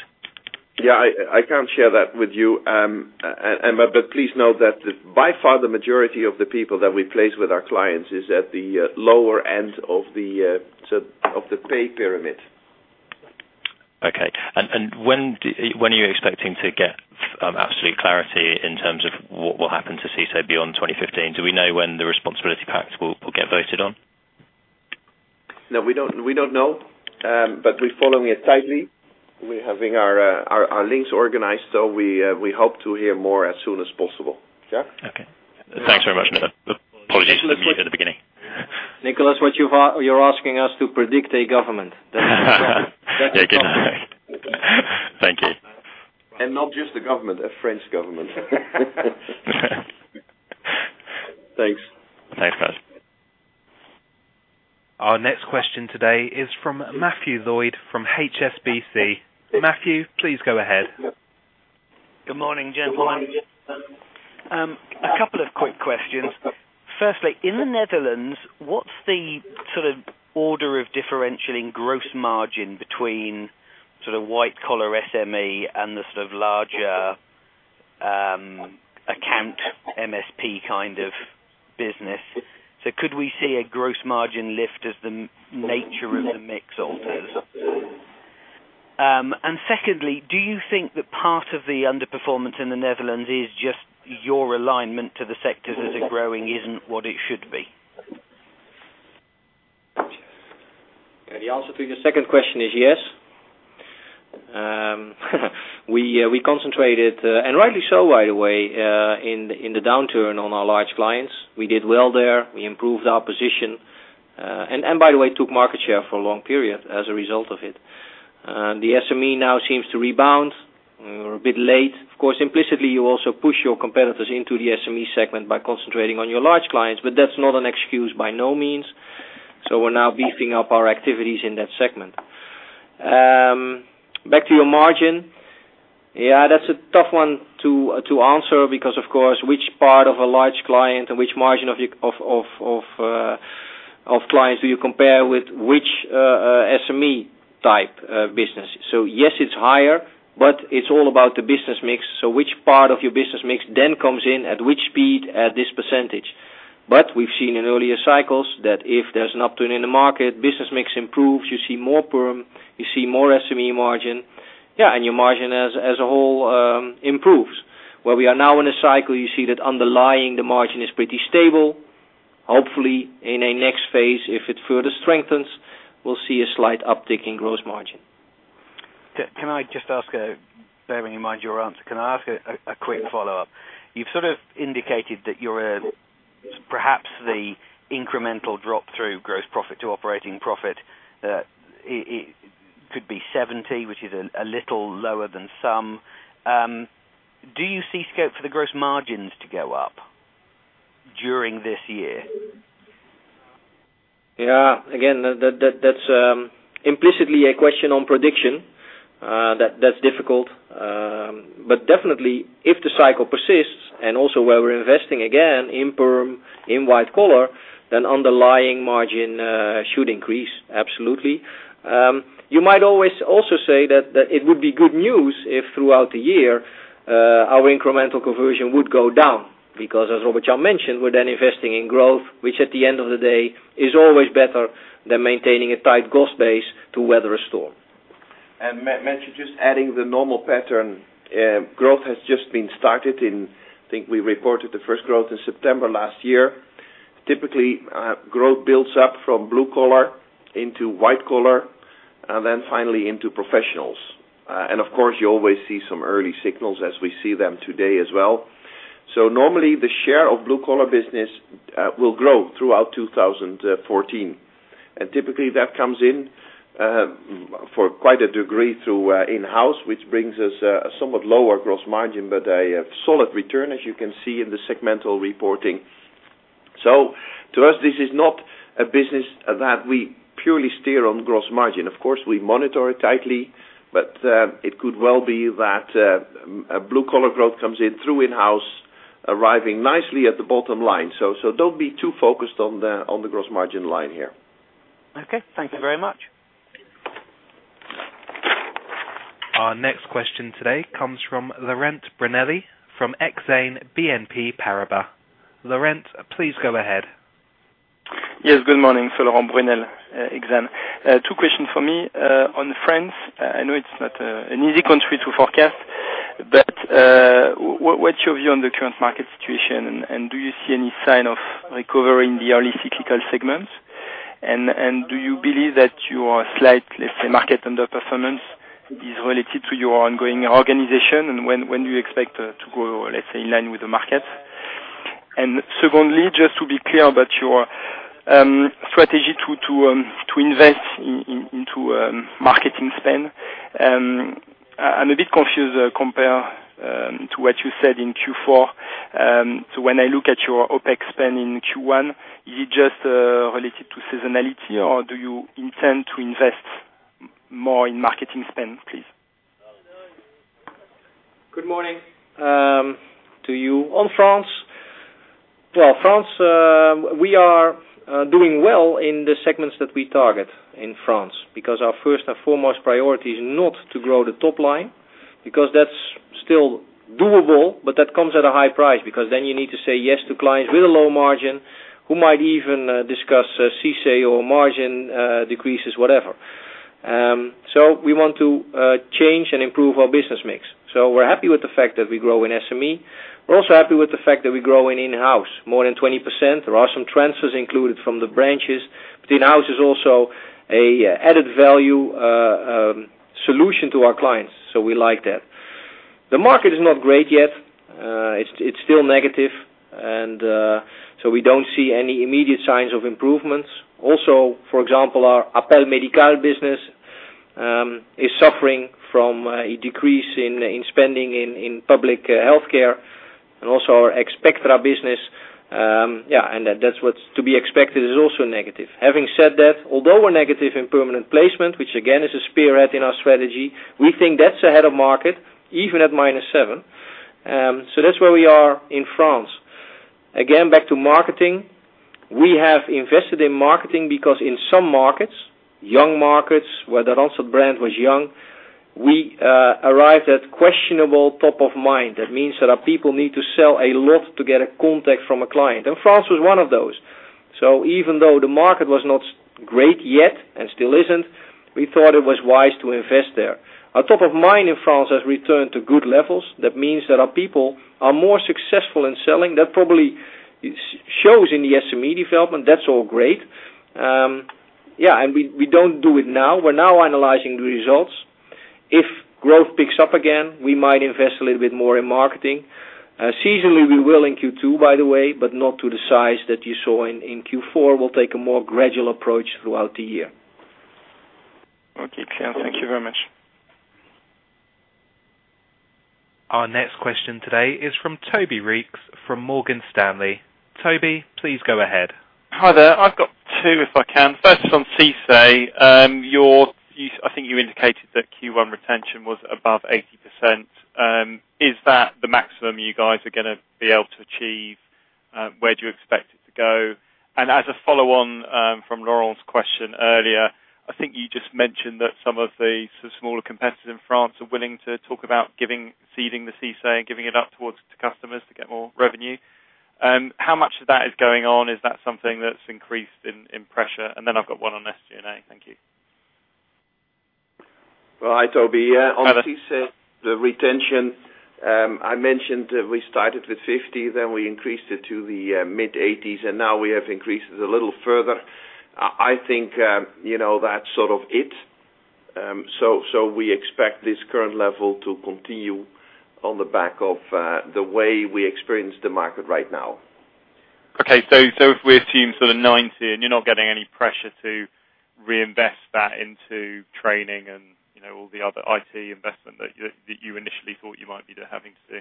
Speaker 2: Yeah, I can't share that with you. Please note that by far, the majority of the people that we place with our clients is at the lower end of the pay pyramid.
Speaker 9: Okay. When are you expecting to get absolute clarity in terms of what will happen to CICE beyond 2015? Do we know when the Responsibility Pact will get voted on?
Speaker 2: No, we don't know. We're following it tightly. We're having our links organized, we hope to hear more as soon as possible. Yeah.
Speaker 9: Okay. Thanks very much. Apologies for mute at the beginning.
Speaker 4: Nicholas, what you're asking us to predict a government.
Speaker 9: Yeah. Thank you.
Speaker 2: not just a government, a French government. Thanks.
Speaker 9: Thanks, guys.
Speaker 1: Our next question today is from Matthew Lloyd from HSBC. Matthew, please go ahead.
Speaker 10: Good morning, gentlemen. A couple of quick questions. Firstly, in the Netherlands, what's the sort of order of differentiating gross margin between sort of white collar SME and the sort of larger account MSP kind of business? Could we see a gross margin lift as the nature of the mix alters? Secondly, do you think that part of the underperformance in the Netherlands is just your alignment to the sectors that are growing isn't what it should be?
Speaker 4: The answer to your second question is yes. We concentrated, and rightly so, by the way, in the downturn on our large clients. We did well there. We improved our position. By the way, took market share for a long period as a result of it. The SME now seems to rebound. We're a bit late. Implicitly, you also push your competitors into the SME segment by concentrating on your large clients, but that's not an excuse by no means. We're now beefing up our activities in that segment. Back to your margin. That's a tough one to answer because, of course, which part of a large client and which margin of clients do you compare with which SME type business? Yes, it's higher, but it's all about the business mix. Which part of your business mix then comes in at which speed at this percentage? We've seen in earlier cycles that if there's an upturn in the market, business mix improves, you see more perm, you see more SME margin. Your margin as a whole improves. Where we are now in a cycle, you see that underlying the margin is pretty stable. Hopefully, in a next phase, if it further strengthens, we'll see a slight uptick in gross margin.
Speaker 10: Can I just ask, bearing in mind your answer, can I ask a quick follow-up? You've sort of indicated that perhaps the incremental drop through gross profit to operating profit could be 70%, which is a little lower than some. Do you see scope for the gross margins to go up during this year?
Speaker 4: Again, that's implicitly a question on prediction. That's difficult. Definitely, if the cycle persists, and also where we're investing, again, in perm, in white collar, then underlying margin should increase, absolutely. You might always also say that it would be good news if throughout the year, our incremental conversion would go down, because as Robert-Jan mentioned, we're then investing in growth, which at the end of the day, is always better than maintaining a tight cost base to weather a storm. Matt, just adding the normal pattern, growth has just been started in I think we reported the first growth in September last year. Typically, growth builds up from blue collar into white collar, and then finally into professionals. Of course, you always see some early signals as we see them today as well. Normally the share of blue collar business will grow throughout 2014. Typically, that comes in for quite a degree through Inhouse, which brings us a somewhat lower gross margin, but a solid return, as you can see in the segmental reporting. To us, this is not a business that we purely steer on gross margin. Of course, we monitor it tightly, but it could well be that blue collar growth comes in through Inhouse, arriving nicely at the bottom line. Don't be too focused on the gross margin line here.
Speaker 10: Okay. Thank you very much.
Speaker 1: Our next question today comes from Laurent Brunelle from Exane BNP Paribas. Laurent, please go ahead.
Speaker 11: Yes, good morning. Laurent Brunelle, Exane. Two question for me on France. I know it's not an easy country to forecast, but what's your view on the current market situation, and do you see any sign of recovering the early cyclical segments? Do you believe that your slight, let's say, market underperformance is related to your ongoing organization? And when do you expect to grow, let's say, in line with the market? And secondly, just to be clear about your strategy to invest into marketing spend. I'm a bit confused compare to what you said in Q4. When I look at your OPEX spend in Q1, is it just related to seasonality, or do you intend to invest more in marketing spend, please?
Speaker 4: Good morning to you. On France, we are doing well in the segments that we target in France because our first and foremost priority is not to grow the top line, because that's still doable, but that comes at a high price. You need to say yes to clients with a low margin who might even discuss CICE or margin decreases, whatever. We want to change and improve our business mix. We are happy with the fact that we grow in SME. We are also happy with the fact that we're growing Inhouse more than 20%. There are some transfers included from the branches, but Inhouse is also an added value solution to our clients. We like that. The market is not great yet. It's still negative. We do not see any immediate signs of improvements. For example, our Appel Médical business is suffering from a decrease in spending in public healthcare and also our Spectra business, and that's what's to be expected, is also negative. Having said that, although we're negative in permanent placement, which again is a spearhead in our strategy, we think that's ahead of market even at -7. That's where we are in France. Again, back to marketing. We have invested in marketing because in some markets, young markets where the Randstad brand was young, we arrived at questionable top of mind. That means that our people need to sell a lot to get a contact from a client, and France was one of those. Even though the market was not great yet and still isn't, we thought it was wise to invest there. Our top of mind in France has returned to good levels. That means that our people are more successful in selling. That probably shows in the SME development. That's all great. We don't do it now. We're now analyzing the results. If growth picks up again, we might invest a little bit more in marketing. Seasonally, we will in Q2, by the way, but not to the size that you saw in Q4. We'll take a more gradual approach throughout the year.
Speaker 11: Okay, clear. Thank you very much.
Speaker 1: Our next question today is from Toby Reeks from Morgan Stanley. Toby, please go ahead.
Speaker 12: Hi there. I've got two if I can. First on CICE. I think you indicated that Q1 retention was above 80%. Is that the maximum you guys are going to be able to achieve? Where do you expect it to go? As a follow-on from Laurent's question earlier, I think you just mentioned that some of the smaller competitors in France are willing to talk about ceding the CICE and giving it up towards the customers to get more revenue. How much of that is going on? Is that something that's increased in pressure? Then I've got one on SG&A. Thank you.
Speaker 4: Well, hi, Toby.
Speaker 12: Hi there.
Speaker 4: On CICE, the retention, I mentioned we started with 50, then we increased it to the mid-80s, and now we have increased it a little further. I think that's sort of it. We expect this current level to continue on the back of the way we experience the market right now.
Speaker 12: Okay. If we achieve sort of 90 and you're not getting any pressure to reinvest that into training and all the other IT investment that you initially thought you might be having to do.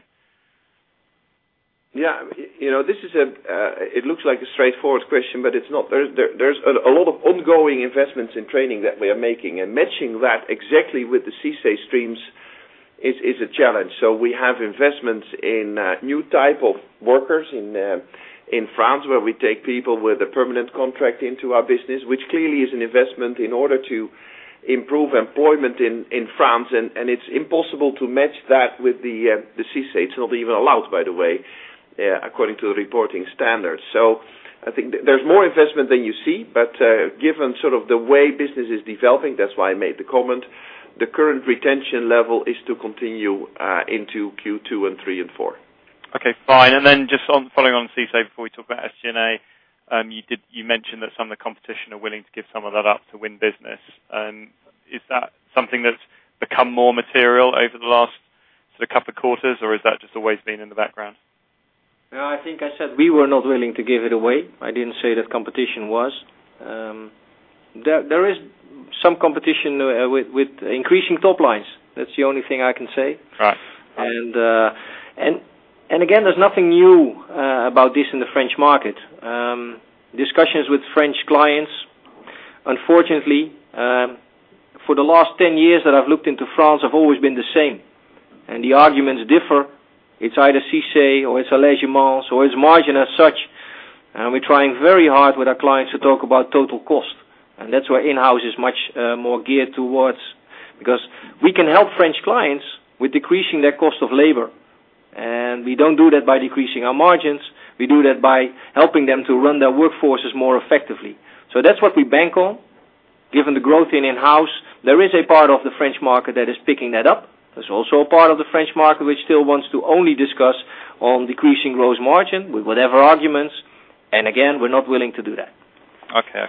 Speaker 4: Yeah. It looks like a straightforward question, but it's not. There's a lot of ongoing investments in training that we are making, and matching that exactly with the CICE streams is a challenge. We have investments in new type of workers in France, where we take people with a permanent contract into our business, which clearly is an investment in order to improve employment in France. It's impossible to match that with the CICE. It's not even allowed, by the way.
Speaker 2: According to the reporting standards. I think there's more investment than you see, but given sort of the way business is developing, that's why I made the comment, the current retention level is to continue into Q2 and 3 and 4.
Speaker 12: Okay, fine. Just following on CICE before we talk about SG&A, you mentioned that some of the competition are willing to give some of that up to win business. Is that something that's become more material over the last couple of quarters, or has that just always been in the background?
Speaker 4: No, I think I said we were not willing to give it away. I didn't say that competition was. There is some competition with increasing top lines. That's the only thing I can say.
Speaker 12: Right.
Speaker 4: Again, there's nothing new about this in the French market. Discussions with French clients, unfortunately, for the last 10 years that I've looked into France, have always been the same, and the arguments differ. It's either CICE or it's or it's margin as such. We're trying very hard with our clients to talk about total cost, and that's where Inhouse is much more geared towards. We can help French clients with decreasing their cost of labor. We don't do that by decreasing our margins. We do that by helping them to run their workforces more effectively. That's what we bank on. Given the growth in Inhouse, there is a part of the French market that is picking that up. There's also a part of the French market which still wants to only discuss on decreasing gross margin with whatever arguments. Again, we're not willing to do that.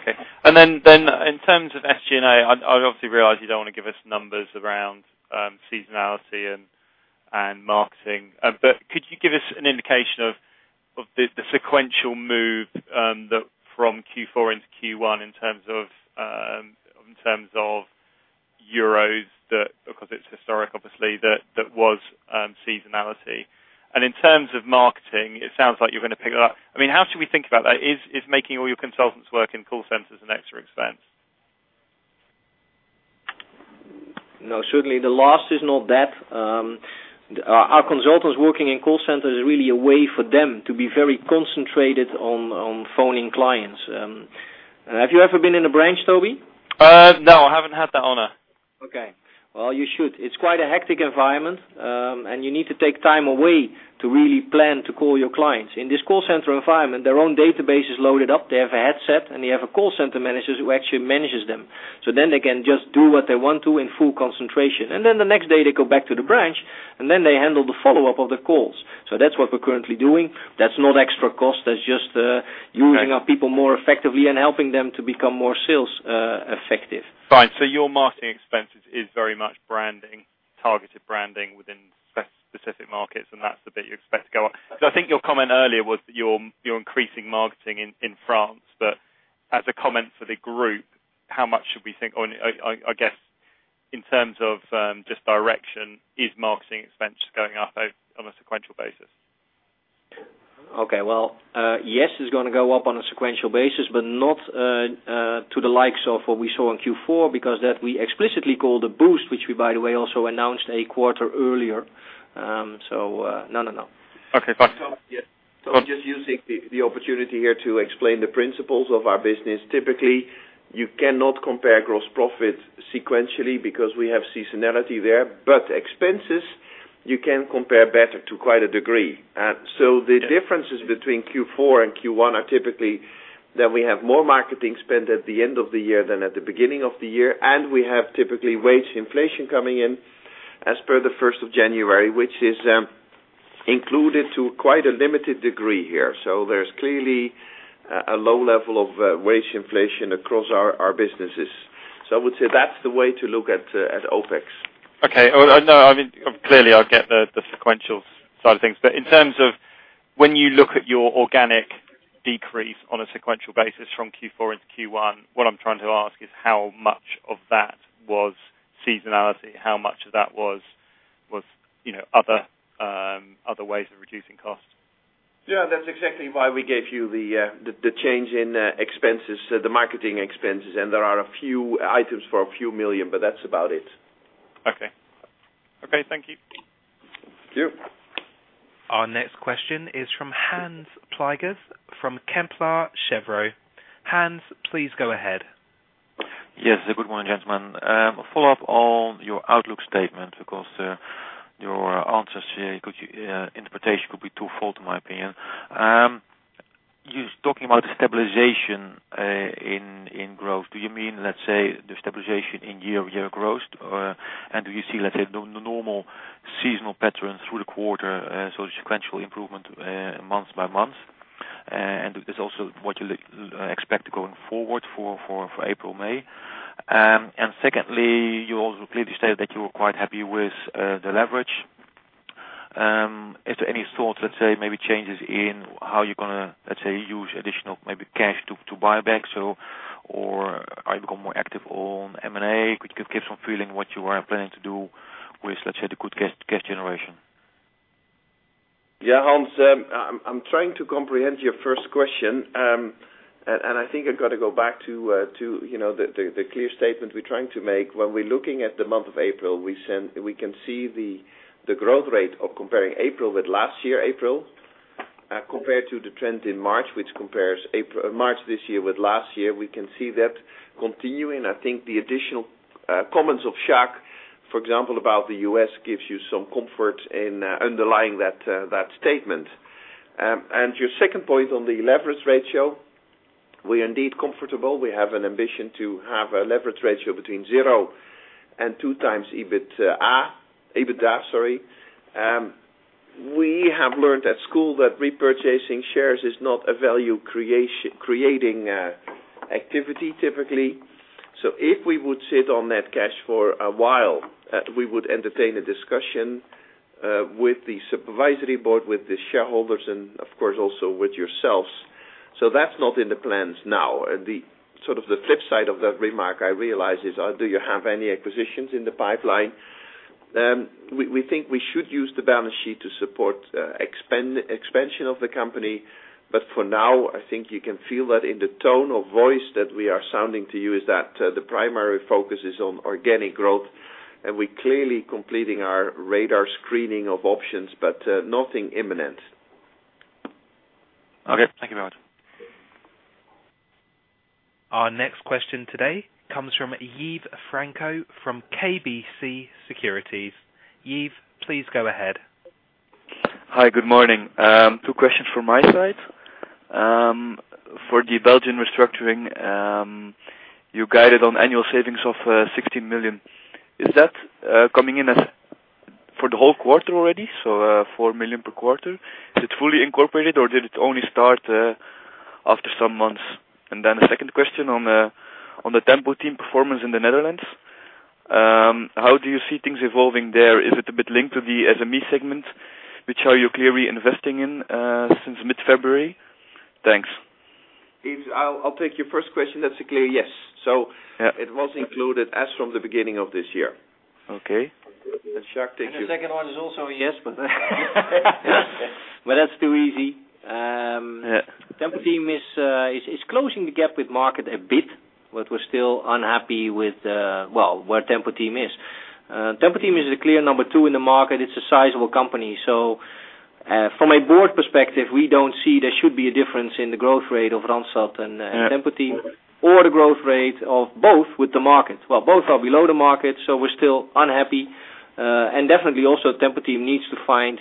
Speaker 12: Then in terms of SG&A, I obviously realize you don't want to give us numbers around seasonality and marketing. Could you give us an indication of the sequential move from Q4 into Q1 in terms of EUR that, because it's historic, obviously, that was seasonality. In terms of marketing, it sounds like you're going to pick it up. How should we think about that? Is making all your consultants work in call centers an extra expense?
Speaker 4: No, certainly the last is not that. Our consultants working in call center is really a way for them to be very concentrated on phoning clients. Have you ever been in a branch, Toby?
Speaker 12: No, I haven't had the honor.
Speaker 4: Okay. Well, you should. It's quite a hectic environment, you need to take time away to really plan to call your clients. In this call center environment, their own database is loaded up. They have a headset, and they have a call center manager who actually manages them. Then they can just do what they want to in full concentration. Then the next day, they go back to the branch, and then they handle the follow-up of the calls. That's what we're currently doing. That's not extra cost. That's just using our people more effectively and helping them to become more sales effective.
Speaker 12: Fine. Your marketing expenses is very much targeted branding within specific markets, and that's the bit you expect to go up. I think your comment earlier was that you're increasing marketing in France. As a comment for the group, how much should we think, or I guess in terms of just direction, is marketing expense going up on a sequential basis?
Speaker 4: Okay. Well, yes, it's going to go up on a sequential basis, but not to the likes of what we saw in Q4 because that we explicitly call the boost, which we, by the way, also announced a quarter earlier. No.
Speaker 12: Okay, fine.
Speaker 2: I'm just using the opportunity here to explain the principles of our business. Typically, you cannot compare gross profit sequentially because we have seasonality there. Expenses, you can compare better to quite a degree. The differences between Q4 and Q1 are typically that we have more marketing spend at the end of the year than at the beginning of the year, and we have typically wage inflation coming in as per the 1st of January, which is included to quite a limited degree here. There's clearly a low level of wage inflation across our businesses. I would say that's the way to look at OpEx.
Speaker 12: Okay. No, clearly, I get the sequential side of things. In terms of when you look at your organic decrease on a sequential basis from Q4 into Q1, what I'm trying to ask is how much of that was seasonality? How much of that was other ways of reducing costs?
Speaker 2: Yeah, that's exactly why we gave you the change in the marketing expenses. There are a few items for a few million, but that's about it.
Speaker 12: Okay. Thank you.
Speaker 2: Thank you.
Speaker 1: Our next question is from Hans Pluijgers, from Kepler Cheuvreux. Hans, please go ahead.
Speaker 13: Yes. Good morning, gentlemen. A follow-up on your outlook statement because your answers interpretation could be twofold, in my opinion. You're talking about stabilization in growth. Do you mean, let's say, the stabilization in year-over-year growth? Do you see, let's say, the normal seasonal pattern through the quarter, so sequential improvement month by month? Is this also what you expect going forward for April, May? Secondly, you also clearly stated that you were quite happy with the leverage. Is there any thought, let's say, maybe changes in how you're going to, let's say, use additional maybe cash to buy back? Are you become more active on M&A? Could you give some feeling what you are planning to do with, let's say, the good cash generation?
Speaker 2: Yeah, Hans, I'm trying to comprehend your first question. I think I've got to go back to the clear statement we're trying to make. When we're looking at the month of April, we can see the growth rate of comparing April with last year April, compared to the trend in March, which compares March this year with last year. We can see that continuing. I think the additional comments of Jacques, for example, about the U.S. gives you some comfort in underlying that statement. Your second point on the leverage ratio, we're indeed comfortable. We have an ambition to have a leverage ratio between zero and two times EBITDA. We have learned at school that repurchasing shares is not a value-creating activity, typically. If we would sit on that cash for a while, we would entertain a discussion with the supervisory board, with the shareholders, and of course, also with yourselves. That's not in the plans now. The flip side of that remark, I realize, is, do you have any acquisitions in the pipeline? We think we should use the balance sheet to support expansion of the company. For now, I think you can feel that in the tone of voice that we are sounding to you is that the primary focus is on organic growth, and we're clearly completing our radar screening of options, but nothing imminent.
Speaker 13: Okay. Thank you very much.
Speaker 1: Our next question today comes from Yves Franco from KBC Securities. Yves, please go ahead.
Speaker 14: Hi. Good morning. Two questions from my side. For the Belgian restructuring, you guided on annual savings of 16 million. Is that coming in for the whole quarter already, 4 million per quarter? Is it fully incorporated or did it only start after some months? The second question on the Tempo-Team performance in the Netherlands. How do you see things evolving there? Is it a bit linked to the SME segment, which are you clearly investing in since mid-February? Thanks.
Speaker 2: Yves, I'll take your first question. That's a clear yes. It was included as from the beginning of this year.
Speaker 14: Okay.
Speaker 2: Jacques.
Speaker 4: The second one is also a yes, but that's too easy.
Speaker 14: Yeah.
Speaker 4: Tempo-Team is closing the gap with market a bit, but we're still unhappy with where Tempo-Team is. Tempo-Team is the clear number two in the market. It's a sizable company. From a board perspective, we don't see there should be a difference in the growth rate of Randstad and Tempo-Team, or the growth rate of both with the market. Well, both are below the market, so we're still unhappy. Definitely also Tempo-Team needs to find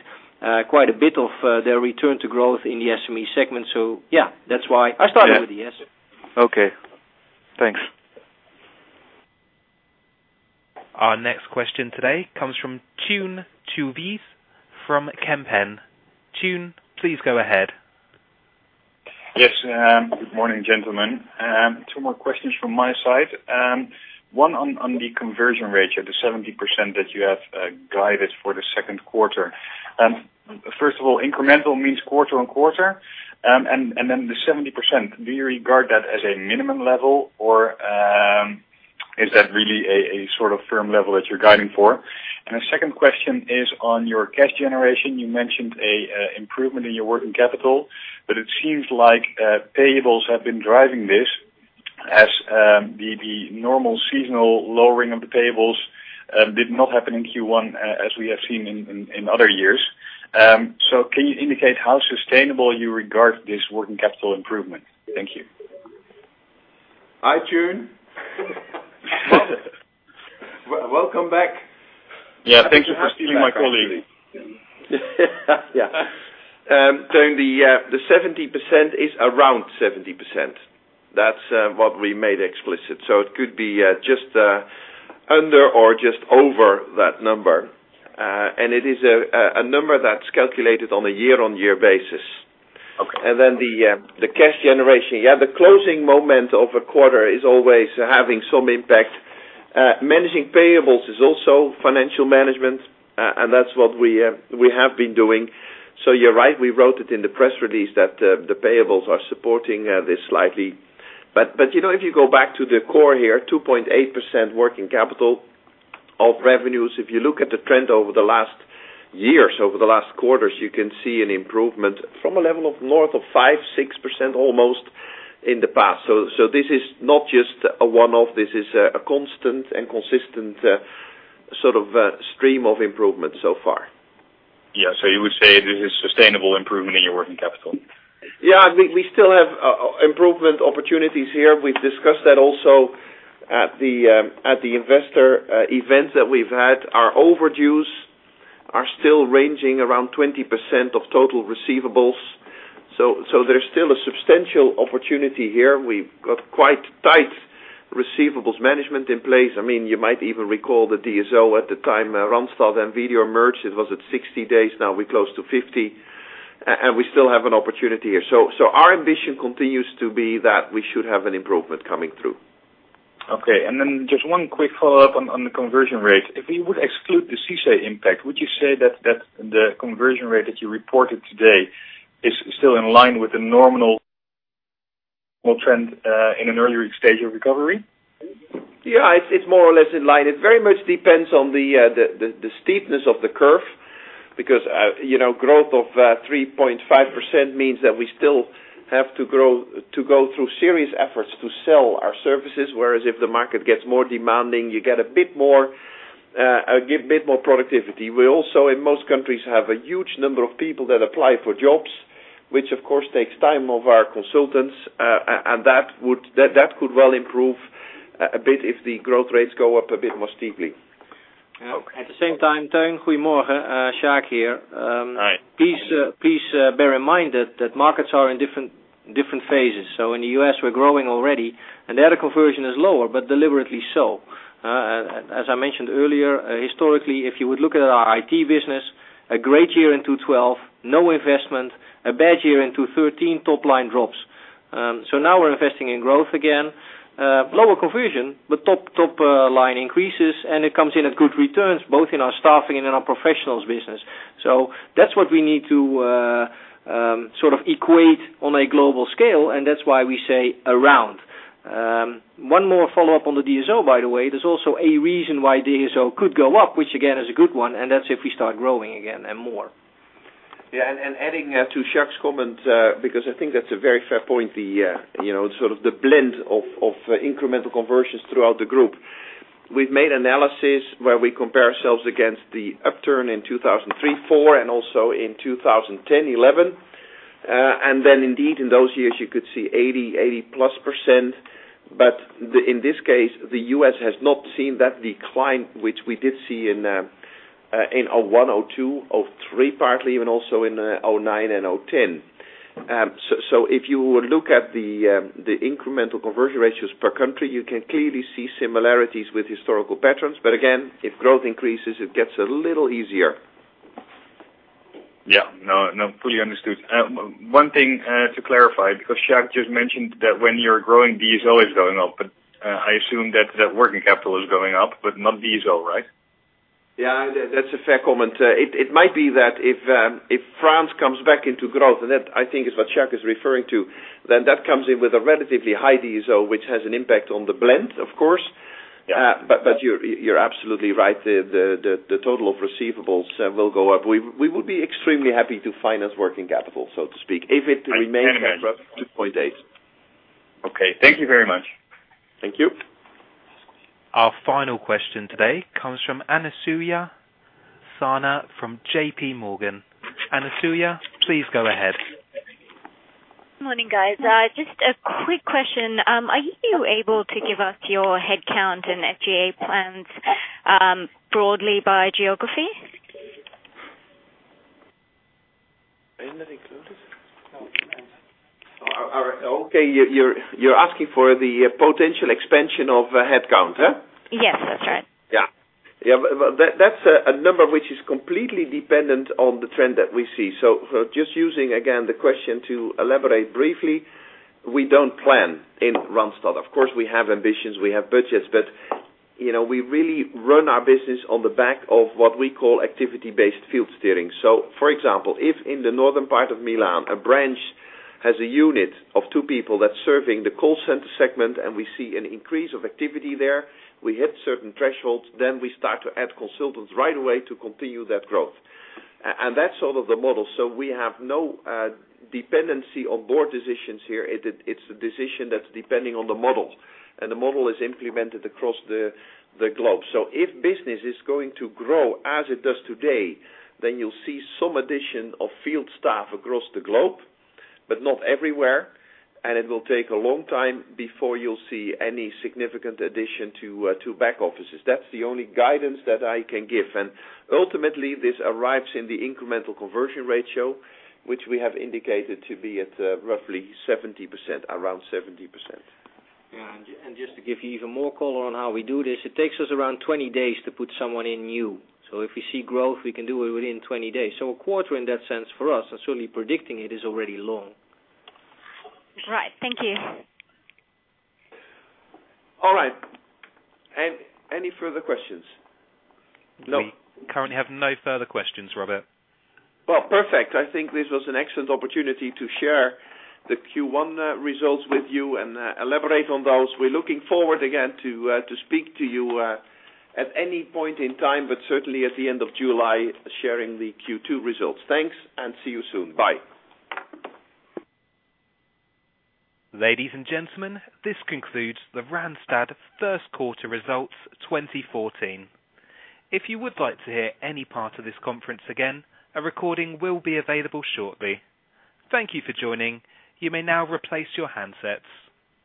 Speaker 4: quite a bit of their return to growth in the SME segment. Yeah, that's why I started with a yes.
Speaker 14: Okay. Thanks.
Speaker 1: Our next question today comes from Tjeerd Tuijts from Kempen. Tjeerd, please go ahead.
Speaker 15: Yes. Good morning, gentlemen. Two more questions from my side. One on the conversion ratio, the 70% that you have guided for the second quarter. First of all, incremental means quarter-on-quarter. The 70%, do you regard that as a minimum level or is that really a firm level that you're guiding for? A second question is on your cash generation. You mentioned a improvement in your working capital, but it seems like payables have been driving this as the normal seasonal lowering of the payables did not happen in Q1 as we have seen in other years. Can you indicate how sustainable you regard this working capital improvement? Thank you.
Speaker 2: Hi, Tjeerd. Welcome back.
Speaker 15: Yeah, thank you for stealing my colleague.
Speaker 2: Yeah. Tjeerd, the 70% is around 70%. That's what we made explicit. It could be just under or just over that number. It is a number that's calculated on a year-on-year basis.
Speaker 15: Okay.
Speaker 2: The cash generation. Yeah, the closing moment of a quarter is always having some impact. Managing payables is also financial management, and that's what we have been doing. You're right, we wrote it in the press release that the payables are supporting this slightly. If you go back to the core here, 2.8% working capital of revenues. If you look at the trend over the last years, over the last quarters, you can see an improvement from a level of north of 5%, 6% almost in the past. This is not just a one-off, this is a constant and consistent stream of improvement so far.
Speaker 15: Yeah. You would say this is sustainable improvement in your working capital?
Speaker 2: Yeah, we still have improvement opportunities here. We've discussed that also at the investor event that we've had. Our overdues are still ranging around 20% of total receivables. There's still a substantial opportunity here. We've got quite tight receivables management in place. You might even recall the DSO at the time Randstad and Vedior merged, it was at 60 days. Now we're close to 50, and we still have an opportunity here. Our ambition continues to be that we should have an improvement coming through.
Speaker 15: Okay. Just one quick follow-up on the conversion rate. If we would exclude the CICE impact, would you say that the conversion rate that you reported today is still in line with the normal trend in an earlier stage of recovery?
Speaker 2: Yeah, it's more or less in line. It very much depends on the steepness of the curve because growth of 3.5% means that we still have to go through serious efforts to sell our services. Whereas if the market gets more demanding, you get a bit more productivity. We also, in most countries, have a huge number of people that apply for jobs. Which of course takes time of our consultants, and that could well improve a bit if the growth rates go up a bit more steeply.
Speaker 15: Okay.
Speaker 4: At the same time, Tjeerd, good morning. Sjaak here.
Speaker 15: Hi.
Speaker 4: Please bear in mind that markets are in different phases. In the U.S. we're growing already, and the other conversion is lower, but deliberately so. As I mentioned earlier, historically, if you would look at our IT business, a great year in 2012, no investment. A bad year in 2013, top line drops. Now we're investing in growth again. Lower conversion, but top line increases, and it comes in at good returns both in our staffing and in our professionals business. That's what we need to equate on a global scale, and that's why we say around. One more follow-up on the DSO, by the way. There's also a reason why DSO could go up, which again is a good one, and that's if we start growing again and more.
Speaker 2: Yeah. Adding to Sjaak's comment, because I think that's a very fair point. Sort of the blend of incremental conversions throughout the group. We've made analysis where we compare ourselves against the upturn in 2003, 2004, and also in 2010, 2011. Indeed, in those years you could see 80+%, in this case, the U.S. has not seen that decline, which we did see in 2001, 2002, 2003, partly even also in 2009 and 2010. If you look at the incremental conversion ratios per country, you can clearly see similarities with historical patterns. Again, if growth increases, it gets a little easier.
Speaker 15: Yeah. No, fully understood. One thing to clarify, because Sjaak just mentioned that when you're growing, DSO is going up, I assume that working capital is going up, but not DSO, right?
Speaker 2: Yeah. That's a fair comment. It might be that if France comes back into growth, that I think is what Sjaak is referring to, that comes in with a relatively high DSO, which has an impact on the blend, of course.
Speaker 15: Yeah.
Speaker 2: You're absolutely right. The total of receivables will go up. We will be extremely happy to finance working capital, so to speak, if it remains at roughly 2.8.
Speaker 15: Okay. Thank you very much.
Speaker 2: Thank you.
Speaker 1: Our final question today comes from Anasuya Sana from JP Morgan. Anasuya, please go ahead.
Speaker 16: Morning, guys. Just a quick question. Are you able to give us your headcount and FTE plans broadly by geography?
Speaker 2: Are any of that included?
Speaker 4: No.
Speaker 2: Okay. You're asking for the potential expansion of headcount, huh?
Speaker 16: Yes, that's right.
Speaker 2: Yeah. That's a number which is completely dependent on the trend that we see. Just using, again, the question to elaborate briefly, we don't plan in Randstad. Of course, we have ambitions, we have budgets, but we really run our business on the back of what we call activity-based field steering. For example, if in the northern part of Milan, a branch has a unit of two people that's serving the call center segment, and we see an increase of activity there, we hit certain thresholds, then we start to add consultants right away to continue that growth. That's sort of the model. We have no dependency on board decisions here. It's a decision that's depending on the model. The model is implemented across the globe. If business is going to grow as it does today, you'll see some addition of field staff across the globe, but not everywhere. It will take a long time before you'll see any significant addition to back offices. That's the only guidance that I can give. Ultimately, this arrives in the incremental conversion ratio, which we have indicated to be at roughly 70%, around 70%.
Speaker 4: Yeah. Just to give you even more color on how we do this, it takes us around 20 days to put someone in new. If we see growth, we can do it within 20 days. A quarter in that sense for us, and certainly predicting it, is already long.
Speaker 16: Right. Thank you.
Speaker 2: All right. Any further questions?
Speaker 1: No. We currently have no further questions, Robert.
Speaker 2: Well, perfect. I think this was an excellent opportunity to share the Q1 results with you and elaborate on those. We're looking forward again to speak to you at any point in time, but certainly at the end of July, sharing the Q2 results. Thanks, and see you soon. Bye.
Speaker 1: Ladies and gentlemen, this concludes the Randstad First Quarter Results 2014. If you would like to hear any part of this conference again, a recording will be available shortly. Thank you for joining. You may now replace your handsets.